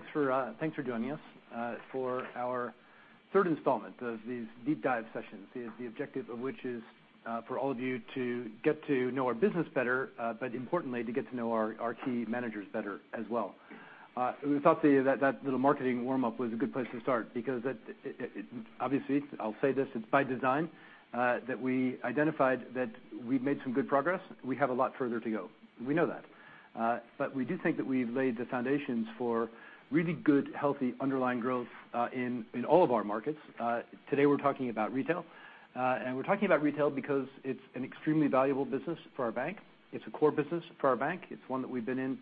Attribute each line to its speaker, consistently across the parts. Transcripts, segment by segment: Speaker 1: Thanks for joining us for our third installment of these deep dive sessions. The objective of which is for all of you to get to know our business better, importantly, to get to know our key managers better as well. We thought that that little marketing warm-up was a good place to start because, obviously, I will say this, it's by design that we identified that we've made some good progress. We have a lot further to go. We know that. We do think that we've laid the foundations for really good, healthy underlying growth in all of our markets. Today, we're talking about retail. We're talking about retail because it's an extremely valuable business for our bank. It's a core business for our bank. It's one that we've been in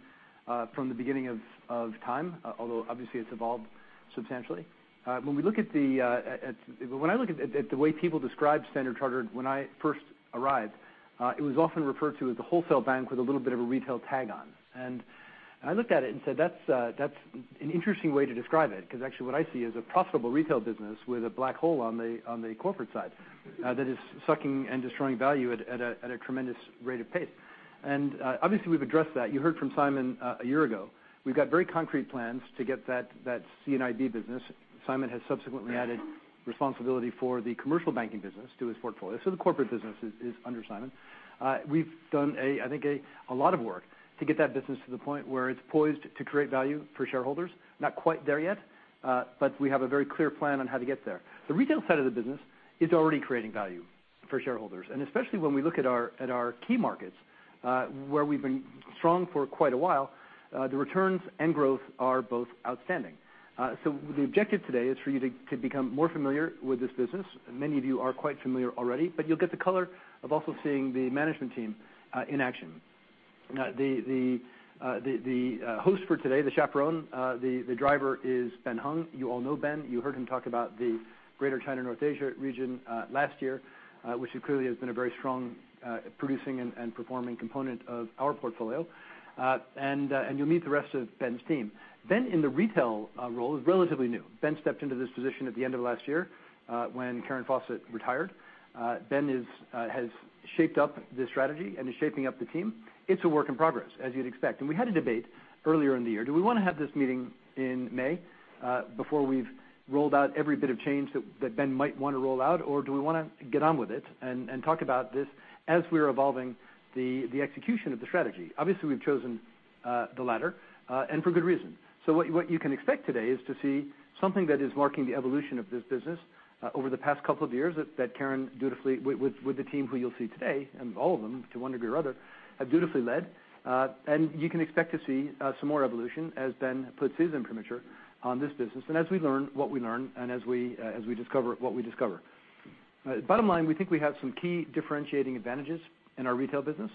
Speaker 1: from the beginning of time, although obviously, it's evolved substantially. When I look at the way people describe Standard Chartered when I first arrived, it was often referred to as the wholesale bank with a little bit of a retail tag on. I looked at it and said, "That's an interesting way to describe it," because actually, what I see is a profitable retail business with a black hole on the corporate side that is sucking and destroying value at a tremendous rate of pace. Obviously, we've addressed that. You heard from Simon a year ago. We've got very concrete plans to get that C&IB business. Simon has subsequently added responsibility for the commercial banking business to his portfolio. The corporate business is under Simon. We've done, I think, a lot of work to get that business to the point where it's poised to create value for shareholders. Not quite there yet. We have a very clear plan on how to get there. The retail side of the business is already creating value for shareholders. Especially when we look at our key markets, where we've been strong for quite a while, the returns and growth are both outstanding. The objective today is for you to become more familiar with this business. Many of you are quite familiar already, but you'll get the color of also seeing the management team in action. The host for today, the chaperone, the driver, is Ben Hung. You all know Ben. You heard him talk about the Greater China, North Asia region last year, which clearly has been a very strong producing and performing component of our portfolio. You'll meet the rest of Ben's team. Ben in the retail role is relatively new. Ben stepped into this position at the end of last year when Karen Fawcett retired. Ben has shaped up the strategy and is shaping up the team. It's a work in progress, as you'd expect. We had a debate earlier in the year. Do we want to have this meeting in May, before we've rolled out every bit of change that Ben might want to roll out, or do we want to get on with it and talk about this as we're evolving the execution of the strategy? Obviously, we've chosen the latter, and for good reason. What you can expect today is to see something that is marking the evolution of this business over the past couple of years that Karen, with the team who you'll see today, and all of them to one degree or other, have dutifully led. You can expect to see some more evolution as Ben puts his imprimatur on this business, as we learn what we learn and as we discover what we discover. Bottom line, we think we have some key differentiating advantages in our retail business.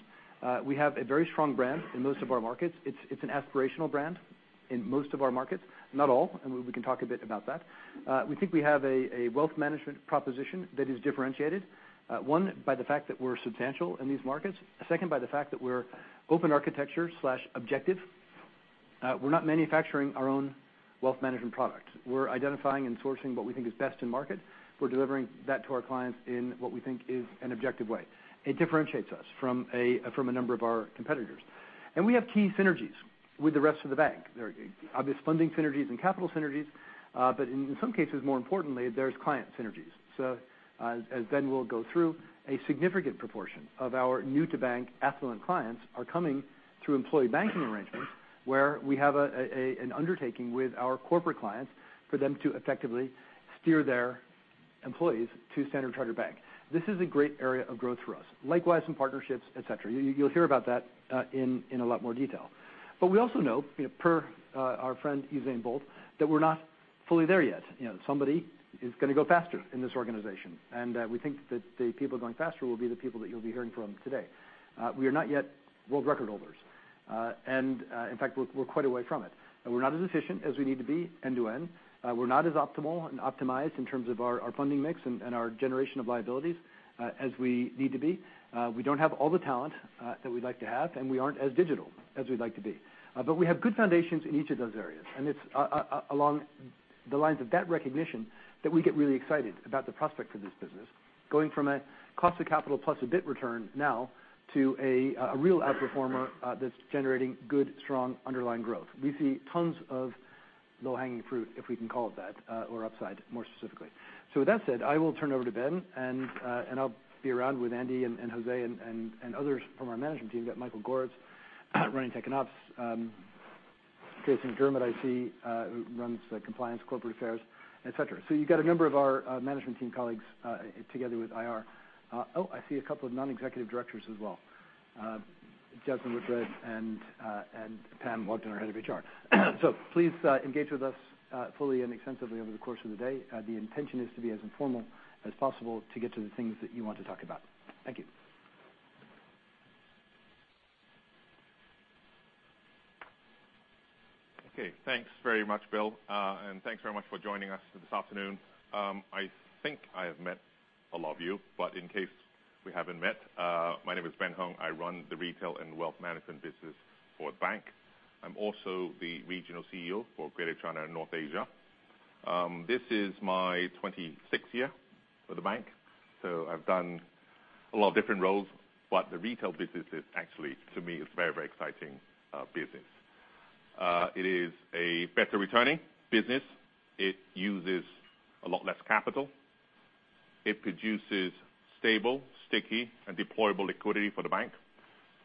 Speaker 1: We have a very strong brand in most of our markets. It's an aspirational brand in most of our markets. Not all, and we can talk a bit about that. We think we have a wealth management proposition that is differentiated, one, by the fact that we're substantial in these markets. Second, by the fact that we're open architecture/objective. We're not manufacturing our own wealth management product. We're identifying and sourcing what we think is best in market. We're delivering that to our clients in what we think is an objective way. It differentiates us from a number of our competitors. We have key synergies with the rest of the bank. There are obvious funding synergies and capital synergies. In some cases, more importantly, there's client synergies. As Ben will go through, a significant proportion of our new to bank affluent clients are coming through employee banking arrangements, where we have an undertaking with our corporate clients for them to effectively steer their employees to Standard Chartered Bank. This is a great area of growth for us. Likewise, in partnerships, et cetera. You'll hear about that in a lot more detail. We also know, per our friend, Usain Bolt, that we're not fully there yet. Somebody is going to go faster in this organization, and we think that the people going faster will be the people that you'll be hearing from today. We are not yet world record holders. In fact, we're quite away from it. We're not as efficient as we need to be end to end. We're not as optimal and optimized in terms of our funding mix and our generation of liabilities as we need to be. We don't have all the talent that we'd like to have, and we aren't as digital as we'd like to be. We have good foundations in each of those areas, and it's along the lines of that recognition that we get really excited about the prospect for this business. Going from a cost of capital plus a bit return now to a real outperformer that's generating good, strong underlying growth. We see tons of low-hanging fruit, if we can call it that, or upside, more specifically. With that said, I will turn it over to Ben, and I'll be around with Andy and José and others from our management team. We've got Michael Gorriz running Tech and Ops. Jason Forrester, I see, who runs compliance, corporate affairs, et cetera. You've got a number of our management team colleagues together with IR. I see a couple of non-executive directors as well. Jasmine Whitbread and Pam Walkden, our Head of HR. Please engage with us fully and extensively over the course of the day. The intention is to be as informal as possible to get to the things that you want to talk about. Thank you.
Speaker 2: Thanks very much, Bill. Thanks very much for joining us this afternoon. I think I have met a lot of you, but in case we haven't met, my name is Ben Hung. I run the retail and wealth management business for the bank. I am also the regional CEO for Greater China and North Asia. This is my 26th year with the bank. I've done a lot of different roles, but the retail business is actually, to me, it is very exciting business. It is a better returning business. It uses a lot less capital. It produces stable, sticky, and deployable liquidity for the bank,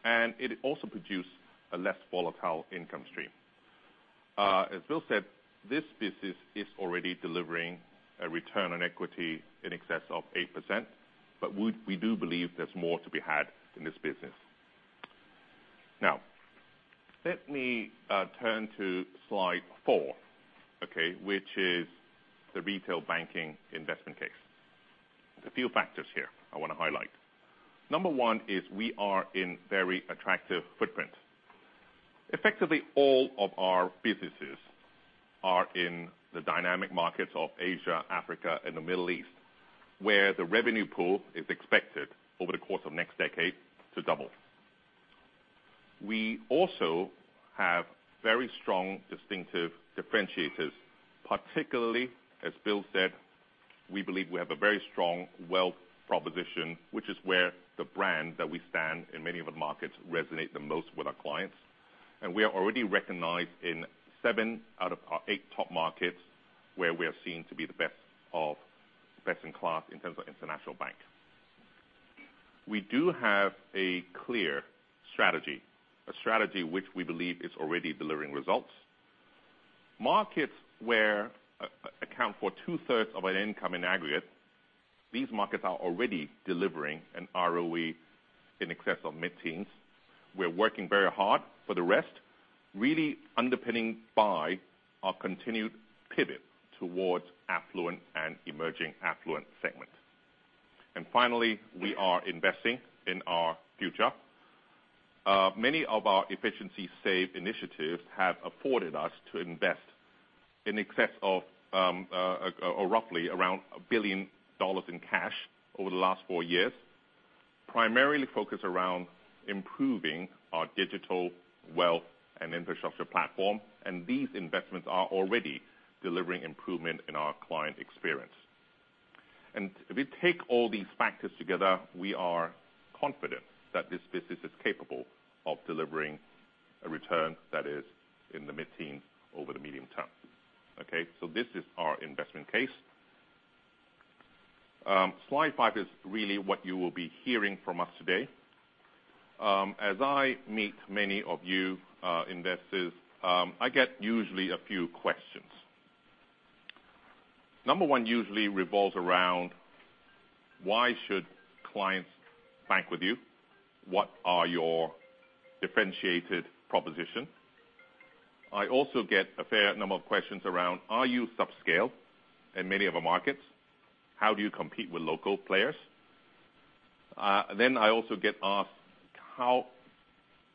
Speaker 2: and it also produce a less volatile income stream. As Bill said, this business is already delivering a return on equity in excess of 8%, but we do believe there is more to be had in this business. Now, let me turn to slide four, okay, which is the retail banking investment case. There is a few factors here I want to highlight. Number one is we are in very attractive footprint. Effectively, all of our businesses are in the dynamic markets of Asia, Africa, and the Middle East, where the revenue pool is expected over the course of next decade to double. We also have very strong distinctive differentiators, particularly, as Bill said, we believe we have a very strong wealth proposition, which is where the brand that we stand in many of the markets resonate the most with our clients. We are already recognized in seven out of eight top markets, where we are seen to be the best of best-in-class in terms of international bank. We do have a clear strategy, a strategy which we believe is already delivering results. Markets where account for two-thirds of our income in aggregate, these markets are already delivering an ROE in excess of mid-teens. We are working very hard for the rest, really underpinning by our continued pivot towards affluent and emerging affluent segment. Finally, we are investing in our future. Many of our efficiency save initiatives have afforded us to invest in excess of, or roughly around $1 billion in cash over the last four years, primarily focused around improving our digital wealth and infrastructure platform, and these investments are already delivering improvement in our client experience. If we take all these factors together, we are confident that this business is capable of delivering a return that is in the mid-teens over the medium term. Okay, this is our investment case. Slide five is really what you will be hearing from us today. As I meet many of you investors, I get usually a few questions. Number one usually revolves around why should clients bank with you? What are your differentiated proposition? I also get a fair number of questions around, are you subscale in many of our markets? How do you compete with local players? I also get asked, how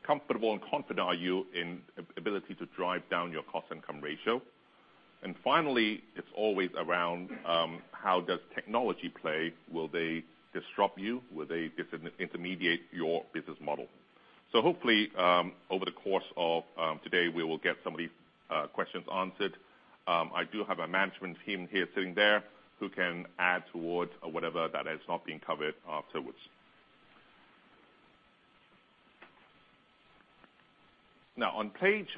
Speaker 2: comfortable and confident are you in ability to drive down your cost income ratio? Finally, it is always around, how does technology play? Will they disrupt you? Will they disintermediate your business model? Hopefully, over the course of today, we will get some of these questions answered. I do have a management team here sitting there who can add towards whatever that is not being covered afterwards. Now on page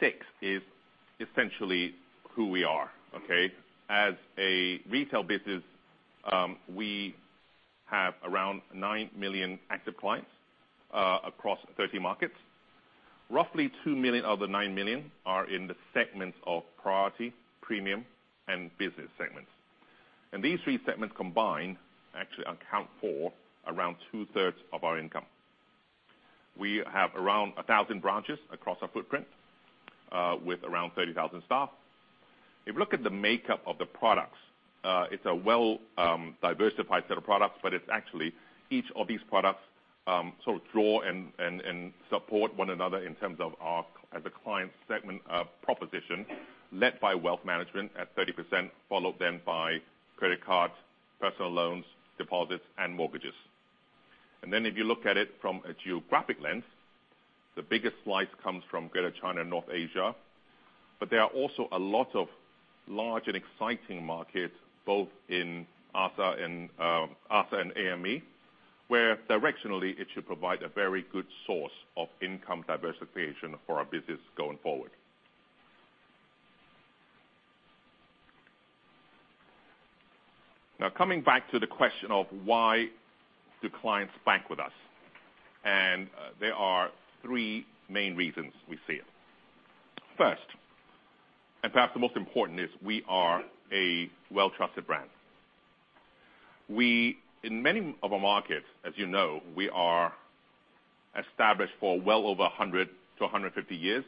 Speaker 2: six is essentially who we are, okay. As a retail business, we have around 9 million active clients, across 30 markets. Roughly 2 million of the 9 million are in the segments of priority, premium, and business segments. These three segments combined actually account for around two-thirds of our income. We have around 1,000 branches across our footprint, with around 30,000 staff. If you look at the makeup of the products, it's a well-diversified set of products, but it's actually each of these products sort of draw and support one another in terms of as a client segment proposition, led by wealth management at 30%, followed then by credit card, personal loans, deposits, and mortgages. If you look at it from a geographic lens, the biggest slice comes from Greater China and North Asia. There are also a lot of large and exciting markets both in ASEAN and South Asia and Africa and Middle East, where directionally it should provide a very good source of income diversification for our business going forward. Now, coming back to the question of why do clients bank with us? There are three main reasons we see it. First, and perhaps the most important is we are a well-trusted brand. In many of our markets, as you know, we are established for well over 100 to 150 years,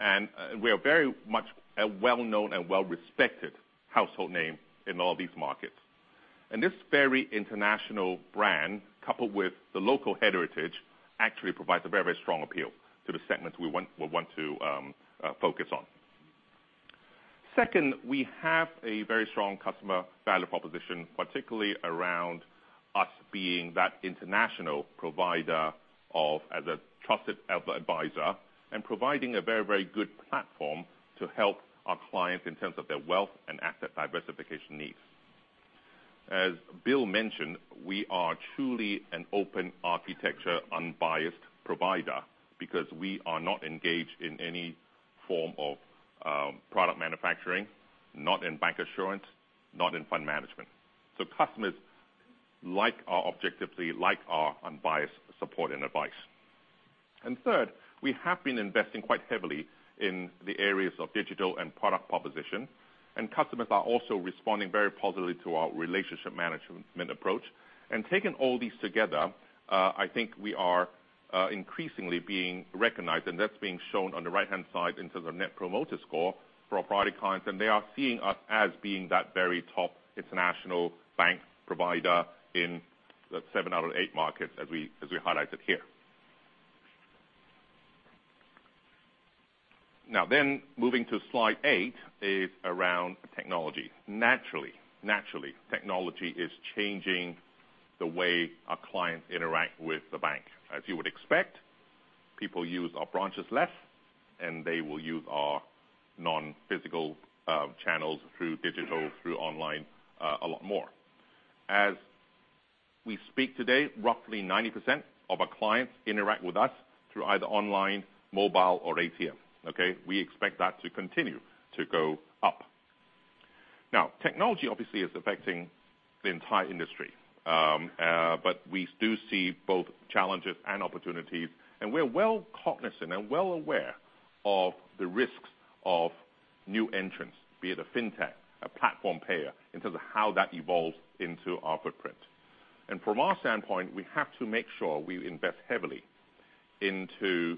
Speaker 2: and we are very much a well-known and well-respected household name in all these markets. This very international brand, coupled with the local heritage, actually provides a very strong appeal to the segments we want to focus on. Second, we have a very strong customer value proposition, particularly around us being that international provider as a trusted advisor and providing a very good platform to help our clients in terms of their wealth and asset diversification needs. As Bill mentioned, we are truly an open architecture unbiased provider because we are not engaged in any form of product manufacturing, not in bancassurance, not in fund management. So customers like our objectivity, like our unbiased support and advice. Third, we have been investing quite heavily in the areas of digital and product proposition, and customers are also responding very positively to our relationship management approach. Taking all these together, I think we are increasingly being recognized, and that's being shown on the right-hand side in terms of Net Promoter Score for our priority clients, and they are seeing us as being that very top international bank provider in the seven out of eight markets as we highlighted here. Then, moving to slide eight is around technology. Naturally, technology is changing the way our clients interact with the bank. As you would expect, people use our branches less, and they will use our non-physical channels through digital, through online, a lot more. As we speak today, roughly 90% of our clients interact with us through either online, mobile, or ATM. Okay? We expect that to continue to go up. Technology obviously is affecting the entire industry. We do see both challenges and opportunities, and we're well cognizant and well aware of the risks of new entrants, be it a fintech, a platform player, in terms of how that evolves into our footprint. From our standpoint, we have to make sure we invest heavily into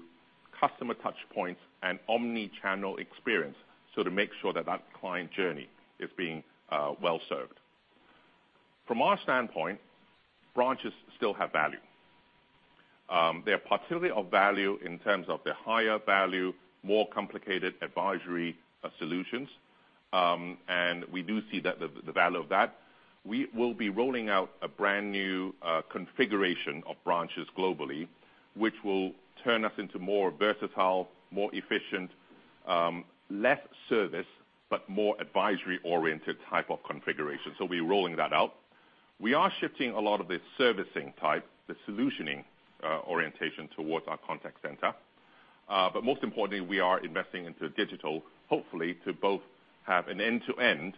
Speaker 2: customer touch points and omnichannel experience, to make sure that client journey is being well-served. From our standpoint, branches still have value. They are particularly of value in terms of their higher value, more complicated advisory solutions. We do see the value of that. We will be rolling out a brand new configuration of branches globally, which will turn us into more versatile, more efficient, less service, but more advisory-oriented type of configuration. We're rolling that out. We are shifting a lot of the servicing type, the solutioning orientation towards our contact center. Most importantly, we are investing into digital, hopefully to both have an end-to-end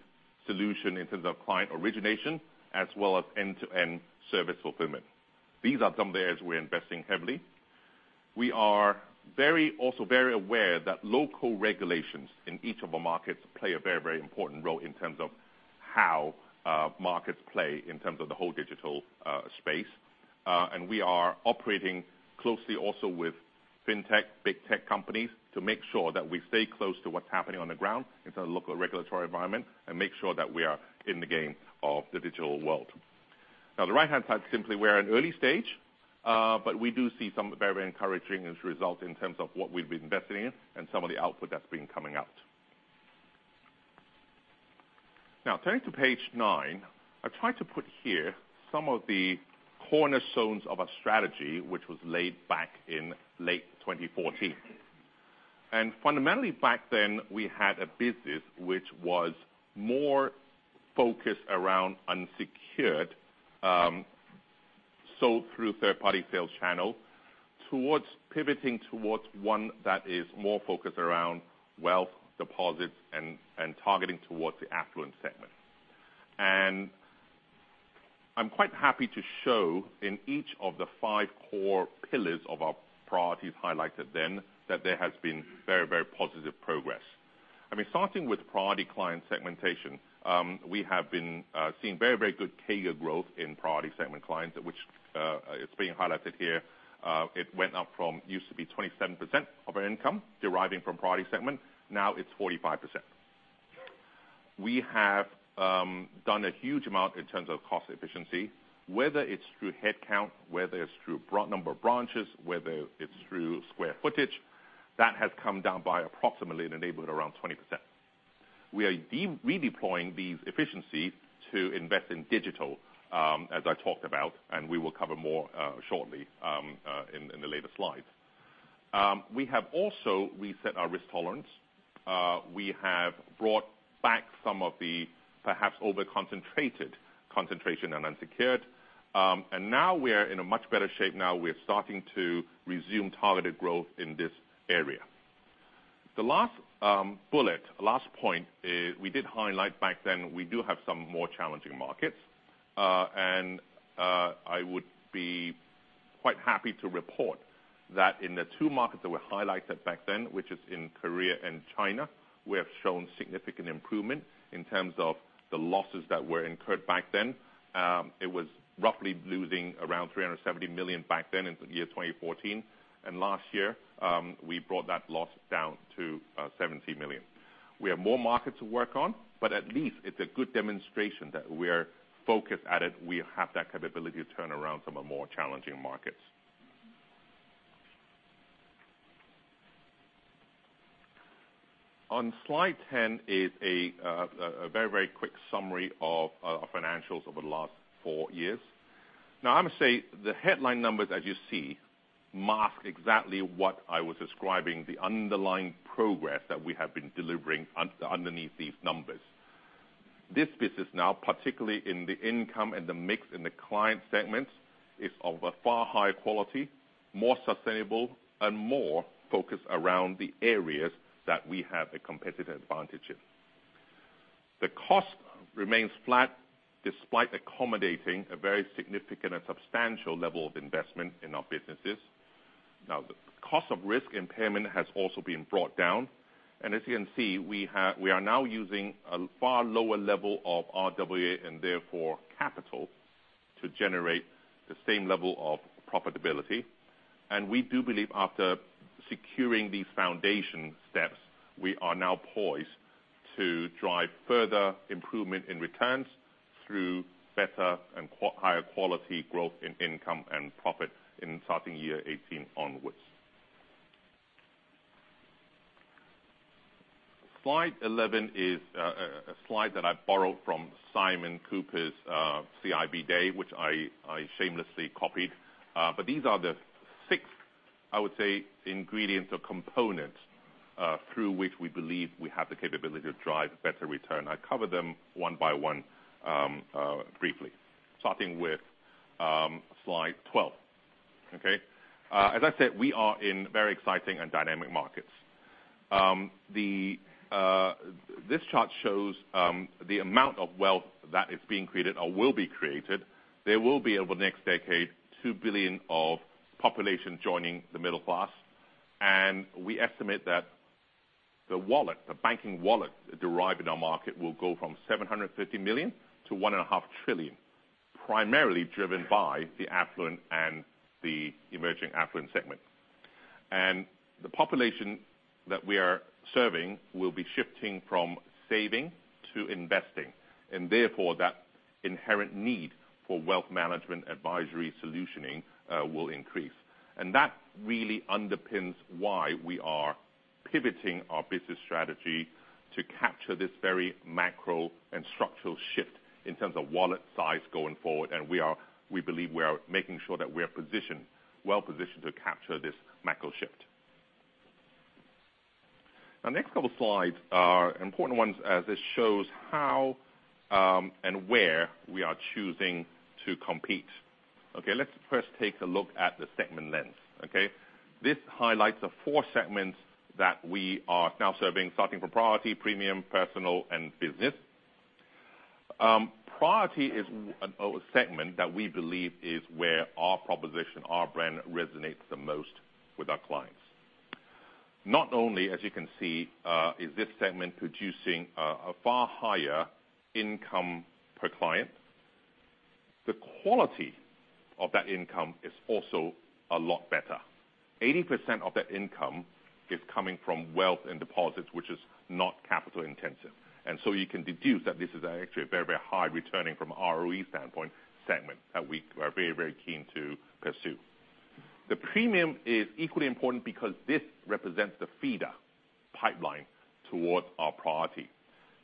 Speaker 2: solution in terms of client origination as well as end-to-end service fulfillment. These are some of the areas we're investing heavily. We are also very aware that local regulations in each of our markets play a very important role in terms of how markets play in terms of the whole digital space. We are operating closely also with fintech, big tech companies, to make sure that we stay close to what's happening on the ground in terms of local regulatory environment and make sure that we are in the game of the digital world. The right-hand side, simply we're in early stage, but we do see some very encouraging results in terms of what we've been investing in and some of the output that's been coming out. Turning to page nine, I tried to put here some of the cornerstones of our strategy, which was laid back in late 2014. Fundamentally back then, we had a business which was more focused around unsecured, sold through third-party sales channel, towards pivoting towards one that is more focused around wealth, deposits, and targeting towards the affluent segment. I'm quite happy to show in each of the five core pillars of our priorities highlighted then, that there has been very positive progress. Starting with priority client segmentation, we have been seeing very good CAGR growth in priority segment clients, which it's being highlighted here. It went up from, used to be 27% of our income deriving from priority segment, now it's 45%. We have done a huge amount in terms of cost efficiency, whether it's through headcount, whether it's through number of branches, whether it's through square footage. That has come down by approximately in the neighborhood around 20%. We are redeploying these efficiencies to invest in digital, as I talked about, and we will cover more shortly in the later slides. We have also reset our risk tolerance. We have brought back some of the perhaps over-concentrated concentration in unsecured. Now we are in a much better shape now. We are starting to resume targeted growth in this area. The last bullet, last point is, we did highlight back then we do have some more challenging markets. I would be quite happy to report that in the two markets that were highlighted back then, which is in Korea and China, we have shown significant improvement in terms of the losses that were incurred back then. It was roughly losing around $370 million back then in 2014. Last year, we brought that loss down to $17 million. We have more market to work on, but at least it's a good demonstration that we are focused at it. We have that capability to turn around some of the more challenging markets. On slide 10 is a very quick summary of our financials over the last four years. I must say, the headline numbers as you see, mask exactly what I was describing, the underlying progress that we have been delivering underneath these numbers. This business now, particularly in the income and the mix in the client segment, is of a far higher quality, more sustainable, and more focused around the areas that we have a competitive advantage in. The cost remains flat despite accommodating a very significant and substantial level of investment in our businesses. The cost of risk impairment has also been brought down. As you can see, we are now using a far lower level of RWA, and therefore capital, to generate the same level of profitability. We do believe after securing these foundation steps, we are now poised to drive further improvement in returns through better and higher quality growth in income and profit in starting 2018 onwards. Slide 11 is a slide that I borrowed from Simon Cooper's CIB day, which I shamelessly copied. These are the six, I would say, ingredients or components, through which we believe we have the capability to drive better return. I cover them one by one briefly, starting with slide 12. Okay? As I said, we are in very exciting and dynamic markets. This chart shows the amount of wealth that is being created or will be created. There will be, over the next decade, 2 billion of population joining the middle class. We estimate that the banking wallet derived in our market will go from $750 billion to one and a half trillion, primarily driven by the affluent and the emerging affluent segment. The population that we are serving will be shifting from saving to investing, and therefore, that inherent need for wealth management advisory solutioning will increase. That really underpins why we are pivoting our business strategy to capture this very macro and structural shift in terms of wallet size going forward. We believe we are making sure that we are well-positioned to capture this macro shift. Next couple slides are important ones as this shows how and where we are choosing to compete. Okay, let's first take a look at the segment lens. Okay? This highlights the four segments that we are now serving, starting from priority, premium, personal, and business. Priority is a segment that we believe is where our proposition, our brand resonates the most with our clients. Not only, as you can see, is this segment producing a far higher income per client, the quality of that income is also a lot better. 80% of that income is coming from wealth and deposits, which is not capital intensive. You can deduce that this is actually a very high returning from ROE standpoint segment that we are very keen to pursue. The premium is equally important because this represents the feeder pipeline towards our priority.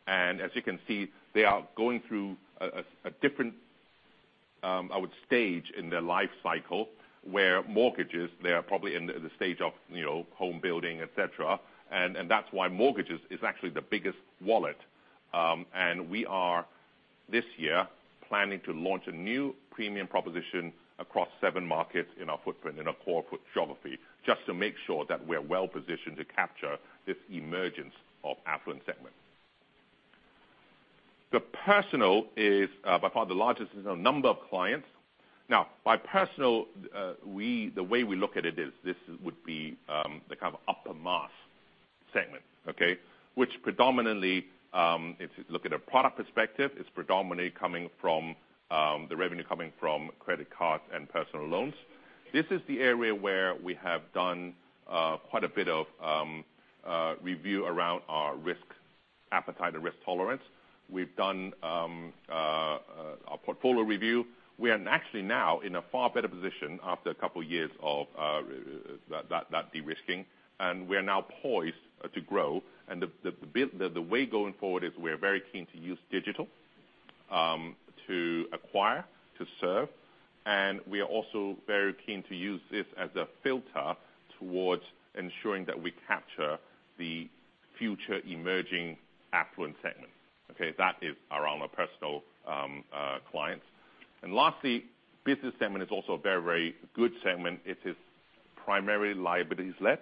Speaker 2: As you can see, they are going through a different stage in their life cycle where mortgages, they are probably in the stage of home building, et cetera. That's why mortgages is actually the biggest wallet. We are, this year, planning to launch a new premium proposition across seven markets in our footprint, in our core geography, just to make sure that we're well-positioned to capture this emergence of affluent segment. The personal is by far the largest in terms of number of clients. By personal, the way we look at it is this would be the kind of upper mass segment. If you look at a product perspective, it's predominantly the revenue coming from credit cards and personal loans. This is the area where we have done quite a bit of review around our risk appetite and risk tolerance. We've done our portfolio review. We are actually now in a far better position after a couple of years of that de-risking, and we are now poised to grow. The way going forward is we're very keen to use digital to acquire, to serve, and we are also very keen to use this as a filter towards ensuring that we capture the future emerging affluent segment. That is around our personal clients. Lastly, business segment is also a very good segment. It is primarily liabilities-led.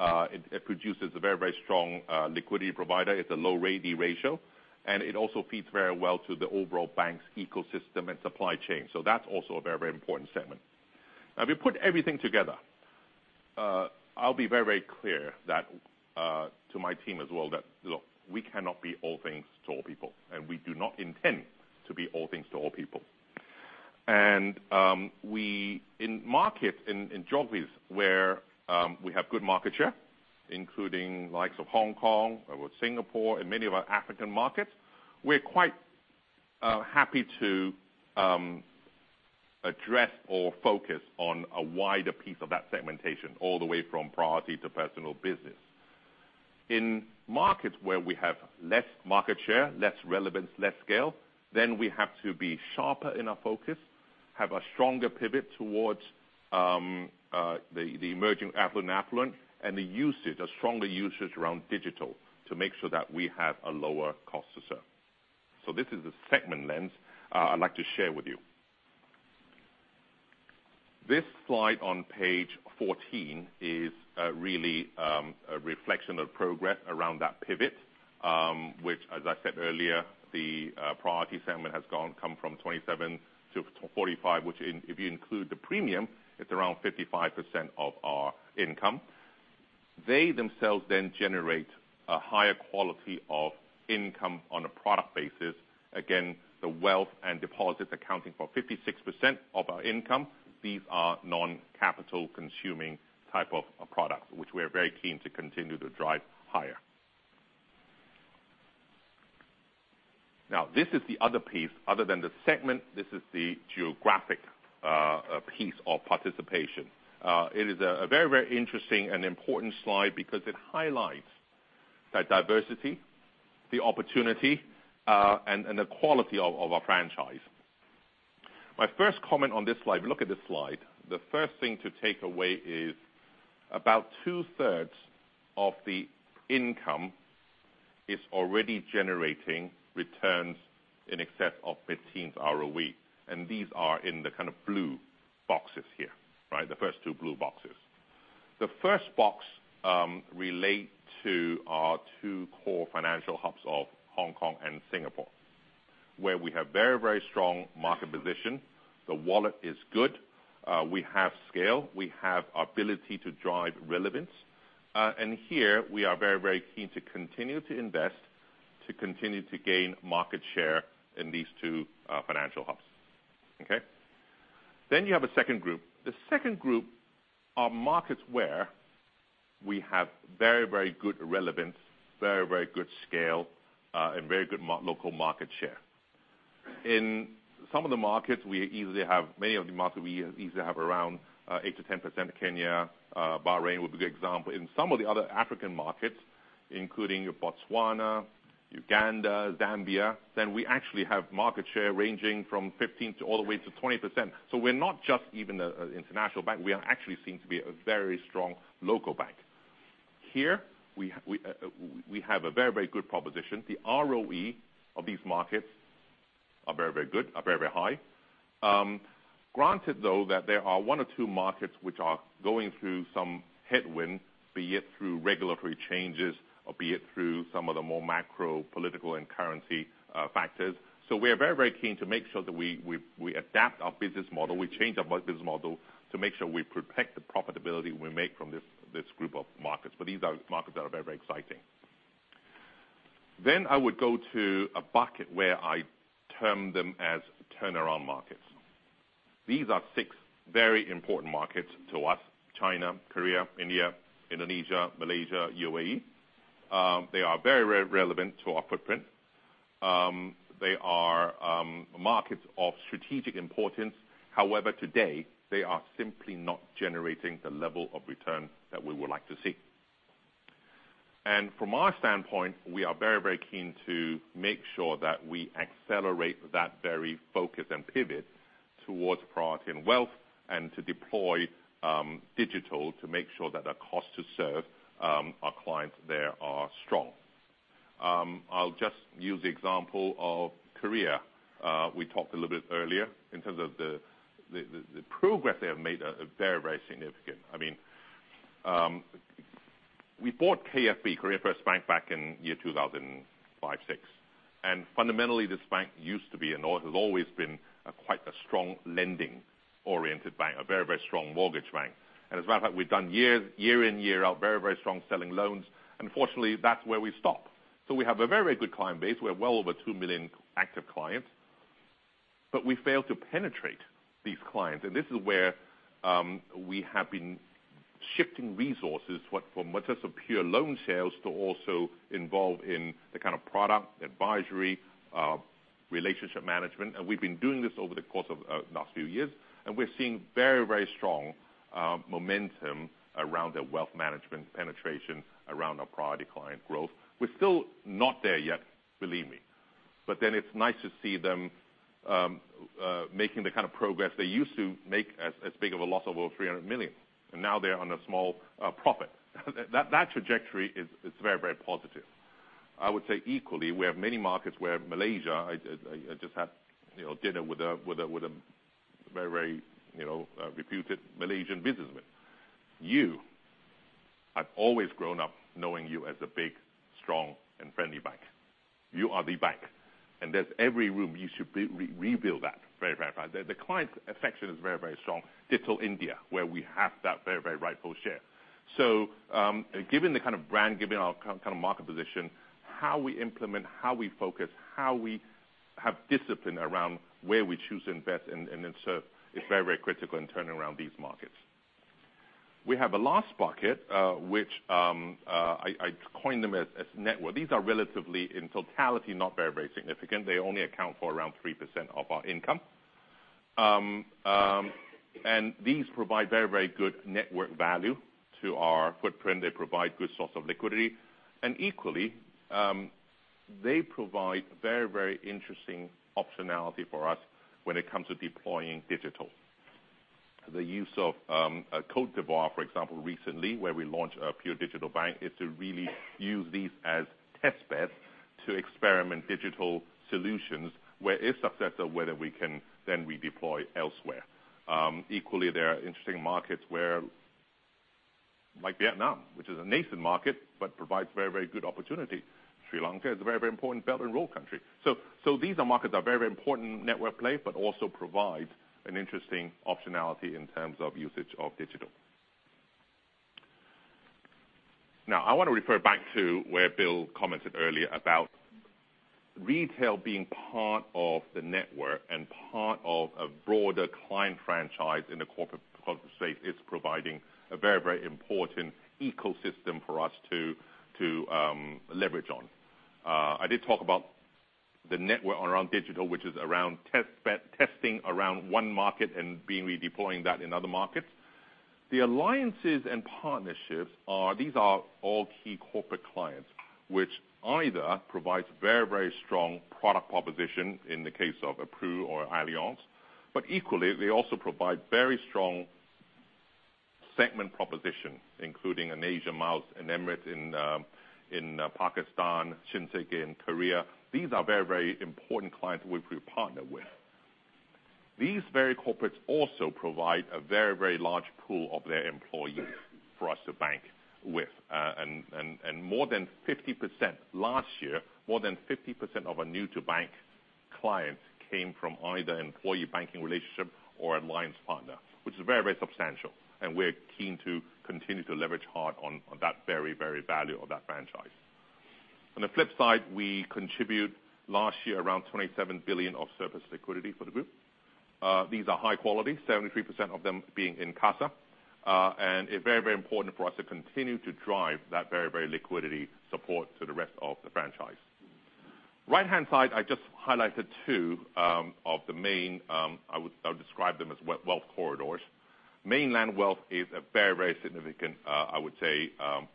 Speaker 2: It produces a very strong liquidity provider. It's a low RWA ratio, and it also feeds very well to the overall bank's ecosystem and supply chain. That's also a very important segment. If we put everything together, I'll be very clear that, to my team as well, that, look, we cannot be all things to all people, and we do not intend to be all things to all people. In markets, in geographies where we have good market share, including likes of Hong Kong or Singapore and many of our African markets, we're quite happy to address or focus on a wider piece of that segmentation, all the way from priority to personal business. In markets where we have less market share, less relevance, less scale, then we have to be sharper in our focus, have a stronger pivot towards the emerging affluent, and a stronger usage around digital to make sure that we have a lower cost to serve. This is the segment lens I'd like to share with you. This slide on page 14 is really a reflection of progress around that pivot, which, as I said earlier, the priority segment has come from 27% to 45%, which if you include the premium, it's around 55% of our income. They themselves then generate a higher quality of income on a product basis. Again, the wealth and deposits accounting for 56% of our income. These are non-capital consuming type of product, which we are very keen to continue to drive higher. This is the other piece. Other than the segment, this is the geographic piece of participation. It is a very interesting and important slide because it highlights the diversity, the opportunity, and the quality of our franchise. My first comment on this slide, look at this slide. The first thing to take away is about two-thirds of the income is already generating returns in excess of 15% ROE, and these are in the kind of blue boxes here. The first two blue boxes. The first box relate to our two core financial hubs of Hong Kong and Singapore, where we have very strong market position. The wallet is good. We have scale. We have ability to drive relevance. Here, we are very keen to continue to invest, to continue to gain market share in these two financial hubs. Okay. You have a second group. The second group are markets where we have very good relevance, very good scale, and very good local market share. In many of the markets, we easily have around eight to 10%. Kenya, Bahrain would be a good example. In some of the other African markets, including Botswana, Uganda, Zambia, we actually have market share ranging from 15%-20%. We're not just even an international bank, we are actually seem to be a very strong local bank. Here, we have a very good proposition. The ROE of these markets are very good, are very high. Granted though, that there are one or two markets which are going through some headwind, be it through regulatory changes or be it through some of the more macro political and currency factors. We are very keen to make sure that we adapt our business model. We change our business model to make sure we protect the profitability we make from this group of markets. These are markets that are very exciting. I would go to a bucket where I term them as turnaround markets. These are six very important markets to us, China, Korea, India, Indonesia, Malaysia, U.A.E. They are very relevant to our footprint. They are markets of strategic importance. However, today, they are simply not generating the level of return that we would like to see. From our standpoint, we are very keen to make sure that we accelerate that very focus and pivot towards priority and wealth, and to deploy digital to make sure that our cost to serve our clients there are strong. I'll just use the example of Korea. We talked a little bit earlier in terms of the progress they have made are very significant. We bought KFB, Korea First Bank, back in year 2005/2006. Fundamentally, this bank used to be, and has always been, quite a strong lending-oriented bank, a very strong mortgage bank. As a matter of fact, we've done year in, year out, very strong selling loans. Unfortunately, that's where we stop. We have a very good client base, we have well over 2 million active clients, but we failed to penetrate these clients. This is where we have been shifting resources, from what is a pure loan sales to also involved in the kind of product, advisory, relationship management. We've been doing this over the course of last few years, and we're seeing very strong momentum around their wealth management penetration, around our priority client growth. We're still not there yet, believe me. It's nice to see them making the kind of progress. They used to make as big of a loss, over $300 million. Now they're on a small profit. That trajectory is very positive. I would say equally, we have many markets where Malaysia, I just had dinner with a very reputed Malaysian businessman. "You, I've always grown up knowing you as a big, strong, and friendly bank. You are the bank. There's every room you should rebuild that very fast." The client affection is very strong. Digital India, where we have that very rightful share. Given the kind of brand, given our kind of market position, how we implement, how we focus, how we have discipline around where we choose to invest and then serve is very critical in turning around these markets. We have a last bucket, which I coin them as network. These are relatively, in totality, not very significant. They only account for around 3% of our income. These provide very, very good network value to our footprint. They provide good source of liquidity. Equally, they provide very, very interesting optionality for us when it comes to deploying digital. The use of Côte d'Ivoire, for example, recently, where we launched a pure digital bank, is to really use these as test beds to experiment digital solutions, where if successful, whether we can then redeploy elsewhere. Equally, there are interesting markets like Vietnam, which is a nascent market, but provides very, very good opportunity. Sri Lanka is a very, very important Belt and Road country. These are markets that are very important network play, but also provide an interesting optionality in terms of usage of digital. Now, I want to refer back to where Bill commented earlier about retail being part of the network and part of a broader client franchise in the corporate space is providing a very, very important ecosystem for us to leverage on. I did talk about the network around digital, which is around testing around one market and redeploying that in other markets. The alliances and partnerships, these are all key corporate clients, which either provides very, very strong product proposition in the case of a Pru or Allianz. Equally, they also provide very strong segment proposition, including an Asia Miles, an Emirates in Pakistan, Shinsegae in Korea. These are very, very important clients we partner with. These very corporates also provide a very, very large pool of their employees for us to bank with. Last year, more than 50% of our new to bank clients came from either employee banking relationship or alliance partner, which is very, very substantial. We're keen to continue to leverage hard on that very, very value of that franchise. On the flip side, we contribute last year around $27 billion of surplus liquidity for the group. These are high quality, 73% of them being in CASA. It's very, very important for us to continue to drive that very, very liquidity support to the rest of the franchise. Right-hand side, I just highlighted two of the main, I would describe them as wealth corridors. Mainland wealth is a very, very significant, I would say,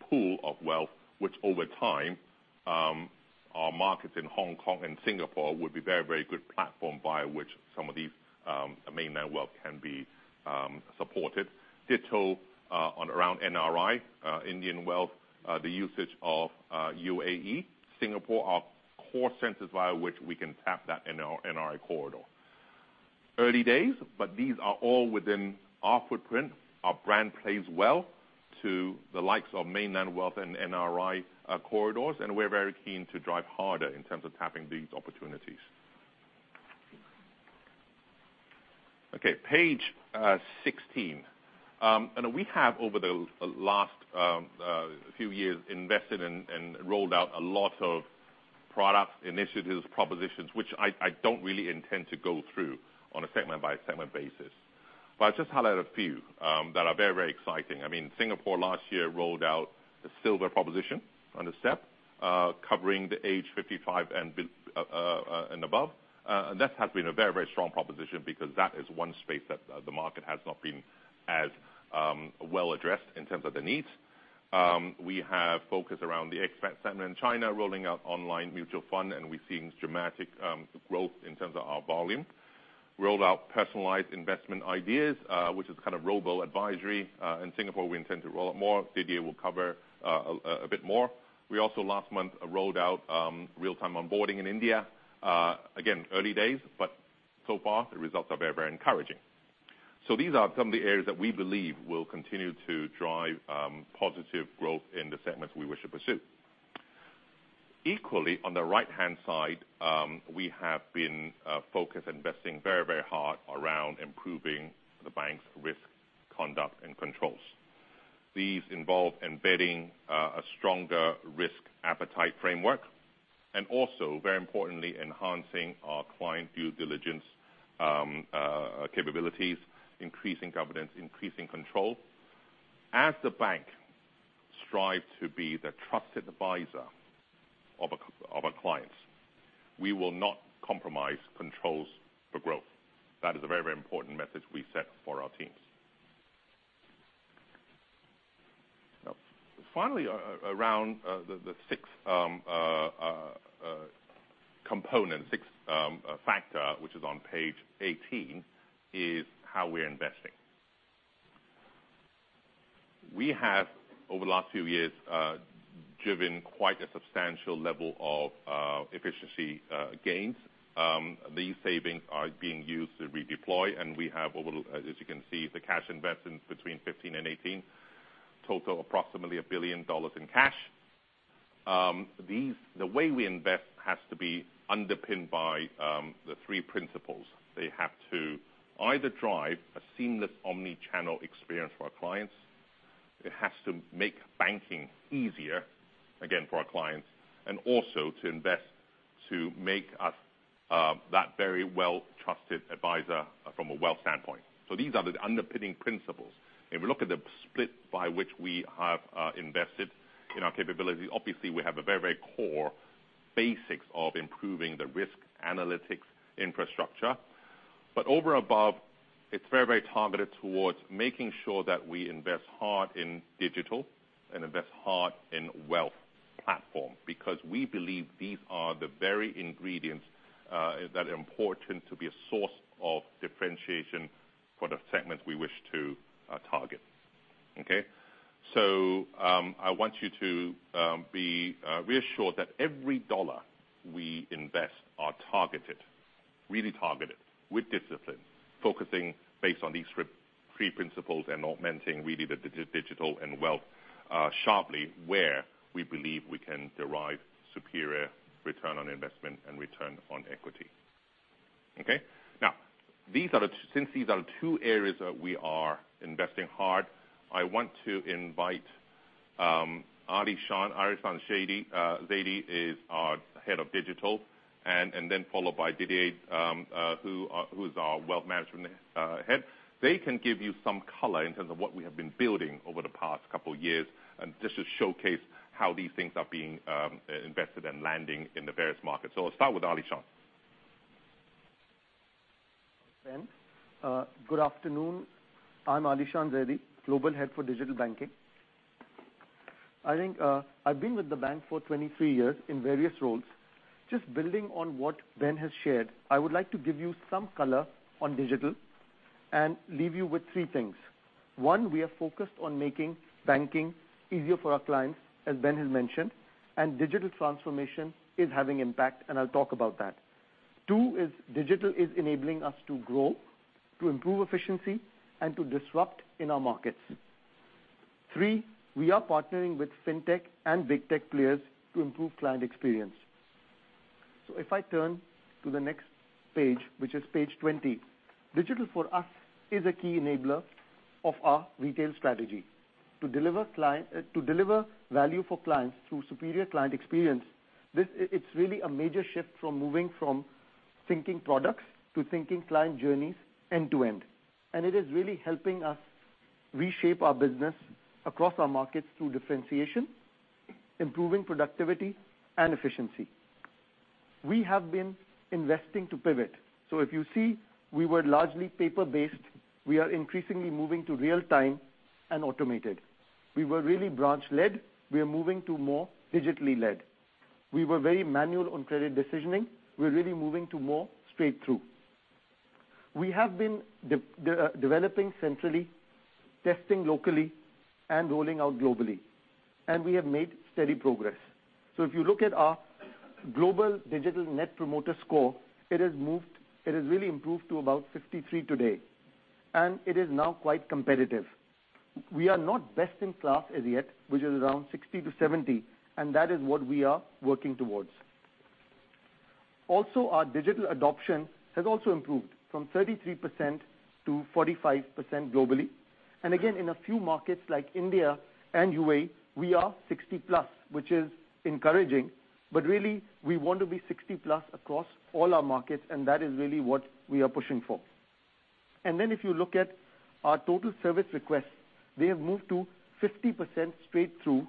Speaker 2: pool of wealth, which over time, our markets in Hong Kong and Singapore would be very, very good platform by which some of these mainland wealth can be supported. Ditto around NRI, Indian wealth, the usage of U.A.E., Singapore, our core centers via which we can tap that NRI corridor. Early days, these are all within our footprint. Our brand plays well to the likes of mainland wealth and NRI corridors, and we're very keen to drive harder in terms of tapping these opportunities. Page 16. We have, over the last few years, invested and rolled out a lot of product initiatives, propositions, which I don't really intend to go through on a segment by segment basis. I'll just highlight a few that are very, very exciting. Singapore last year rolled out a silver proposition under Step, covering the age 55 and above. That has been a very, very strong proposition because that is one space that the market has not been as well addressed in terms of the needs. We have focused around the expat segment in China, rolling out online mutual fund, and we're seeing dramatic growth in terms of our volume. Rolled out Personalized Investment Ideas, which is kind of robo-advisory. In Singapore, we intend to roll out more. Didier will cover a bit more. We also last month rolled out real-time onboarding in India. Again, early days, but so far the results are very, very encouraging. These are some of the areas that we believe will continue to drive positive growth in the segments we wish to pursue. Equally, on the right-hand side, we have been focused, investing very, very hard around improving the bank's risk conduct and controls. These involve embedding a stronger risk appetite framework, and also, very importantly, enhancing our client due diligence capabilities, increasing governance, increasing control. As the bank strives to be the trusted advisor of our clients, we will not compromise controls for growth. That is a very, very important message we set for our teams. Finally, around the sixth component, sixth factor, which is on page 18, is how we're investing. We have, over the last few years, driven quite a substantial level of efficiency gains. These savings are being used to redeploy, and we have, as you can see, the cash investments between 2015 and 2018 total approximately $1 billion in cash. The way we invest has to be underpinned by the three principles. They have to either drive a seamless omnichannel experience for our clients. It has to make banking easier, again, for our clients, and also to invest to make us that very well trusted advisor from a wealth standpoint. These are the underpinning principles. If you look at the split by which we have invested in our capabilities, obviously we have a very, very core basics of improving the risk analytics infrastructure. Over above, it's very targeted towards making sure that we invest hard in digital and invest hard in wealth platform, because we believe these are the very ingredients that are important to be a source of differentiation for the segments we wish to target. Okay. I want you to be reassured that every dollar we invest are targeted, really targeted, with discipline, focusing based on these three principles and augmenting really the digital and wealth sharply where we believe we can derive superior return on investment and return on equity. Okay. Since these are two areas that we are investing hard, I want to invite Aalishaan Zaidi, is our head of digital, and then followed by Didier, who's our wealth management head. They can give you some color in terms of what we have been building over the past couple years, and just to showcase how these things are being invested and landing in the various markets. I'll start with Aalishaan.
Speaker 3: Thanks. Good afternoon. I'm Aalishaan Zaidi, Global Head for digital banking. I've been with the bank for 23 years in various roles. Just building on what Ben has shared, I would like to give you some color on digital and leave you with three things. One, we are focused on making banking easier for our clients, as Ben has mentioned, and digital transformation is having impact, and I'll talk about that. Two, digital is enabling us to grow, to improve efficiency, and to disrupt in our markets. Three, we are partnering with fintech and big tech players to improve client experience. If I turn to the next page, which is page 20. Digital for us is a key enabler of our retail strategy. To deliver value for clients through superior client experience, it's really a major shift from moving from thinking products to thinking client journeys end to end. It is really helping us reshape our business across our markets through differentiation, improving productivity and efficiency. We have been investing to pivot. If you see, we were largely paper-based. We are increasingly moving to real-time and automated. We were really branch led. We are moving to more digitally led. We were very manual on credit decisioning. We're really moving to more straight-through. We have been developing centrally, testing locally and rolling out globally, and we have made steady progress. If you look at our global digital Net Promoter Score, it has really improved to about 53 today, and it is now quite competitive. We are not best in class as yet, which is around 60-70, and that is what we are working towards. Also, our digital adoption has also improved from 33%-45% globally. Again, in a few markets like India and U.A.E., we are 60 plus, which is encouraging, but really, we want to be 60 plus across all our markets, and that is really what we are pushing for. Then if you look at our total service requests, they have moved to 50% straight through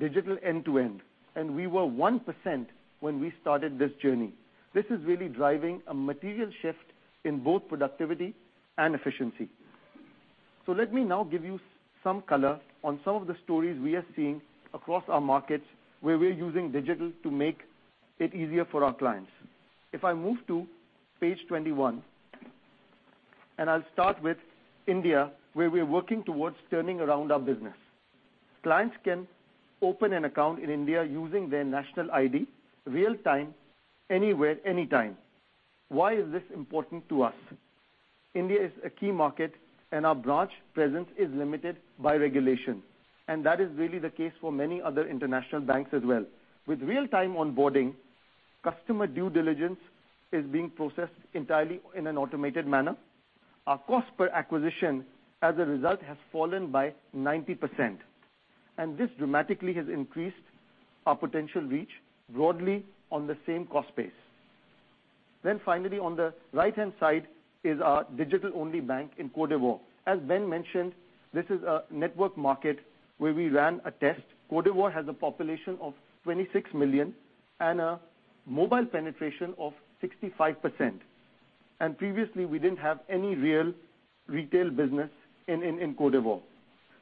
Speaker 3: digital end to end, and we were 1% when we started this journey. This is really driving a material shift in both productivity and efficiency. Let me now give you some color on some of the stories we are seeing across our markets, where we're using digital to make it easier for our clients. I move to page 21. I'll start with India, where we're working towards turning around our business. Clients can open an account in India using their national ID, real-time, anywhere, anytime. Why is this important to us? India is a key market, and our branch presence is limited by regulation. That is really the case for many other international banks as well. With real-time onboarding, customer due diligence is being processed entirely in an automated manner. Our cost per acquisition, as a result, has fallen by 90%, and this dramatically has increased our potential reach broadly on the same cost base. Finally, on the right-hand side is our digital-only bank in Côte d'Ivoire. As Ben mentioned, this is a network market where we ran a test. Côte d'Ivoire has a population of 26 million and a mobile penetration of 65%. Previously, we didn't have any real retail business in Côte d'Ivoire.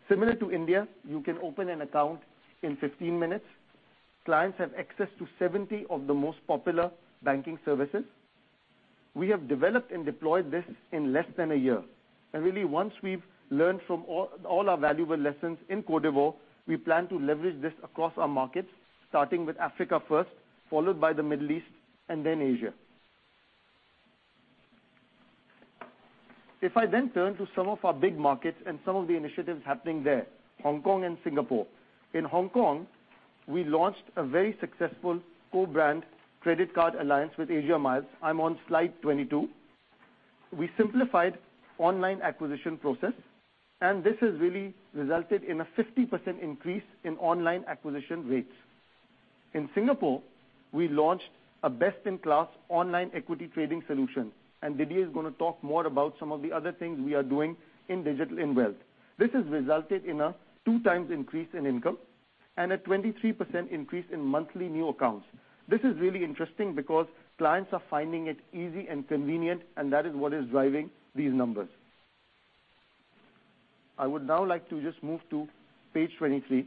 Speaker 3: Similar to India, you can open an account in 15 minutes. Clients have access to 70 of the most popular banking services. We have developed and deployed this in less than a year. Really once we've learned from all our valuable lessons in Côte d'Ivoire, we plan to leverage this across our markets, starting with Africa first, followed by the Middle East and Asia. If I turn to some of our big markets and some of the initiatives happening there, Hong Kong and Singapore. In Hong Kong, we launched a very successful co-brand credit card alliance with Asia Miles. I'm on slide 22. We simplified online acquisition process, and this has really resulted in a 50% increase in online acquisition rates. In Singapore, we launched a best-in-class online equity trading solution. Didier is going to talk more about some of the other things we are doing in digital and wealth. This has resulted in a 2 times increase in income and a 23% increase in monthly new accounts. This is really interesting because clients are finding it easy and convenient, and that is what is driving these numbers. I would now like to just move to page 23.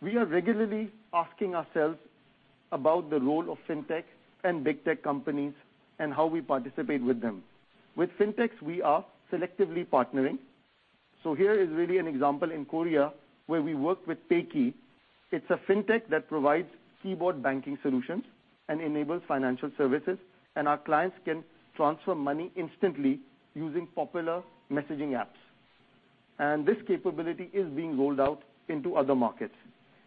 Speaker 3: We are regularly asking ourselves about the role of fintech and big tech companies, and how we participate with them. With fintechs, we are selectively partnering. Here is really an example in Korea where we worked with PayKey. It's a fintech that provides keyboard banking solutions and enables financial services. Our clients can transfer money instantly using popular messaging apps. This capability is being rolled out into other markets.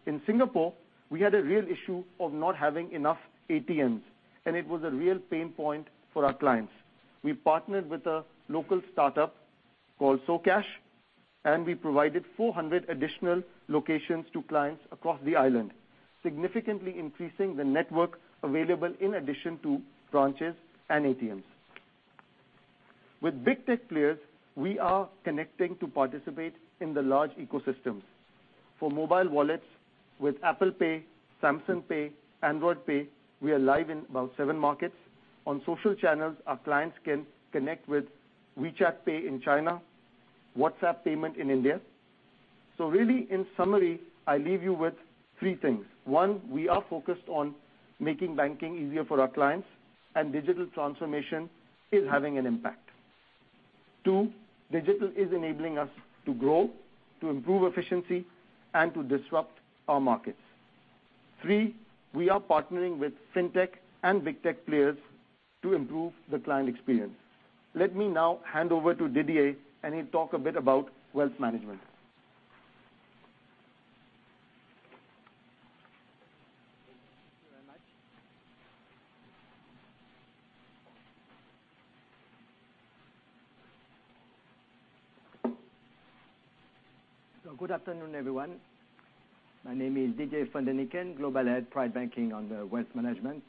Speaker 3: In Singapore, we had a real issue of not having enough ATMs. It was a real pain point for our clients. We partnered with a local startup called soCash. We provided 400 additional locations to clients across the island, significantly increasing the network available in addition to branches and ATMs. With big tech players, we are connecting to participate in the large ecosystems. For mobile wallets with Apple Pay, Samsung Pay, Android Pay, we are live in about seven markets. On social channels, our clients can connect with WeChat Pay in China, WhatsApp Pay in India. Really in summary, I leave you with three things. One, we are focused on making banking easier for our clients. Digital transformation is having an impact. Two, digital is enabling us to grow, to improve efficiency to disrupt our markets. Three, we are partnering with fintech and big tech players to improve the client experience. Let me now hand over to Didier and he will talk a bit about wealth management.
Speaker 4: Thank you very much. Good afternoon, everyone. My name is Didier von Daeniken, Global Head, Private Banking under Wealth Management.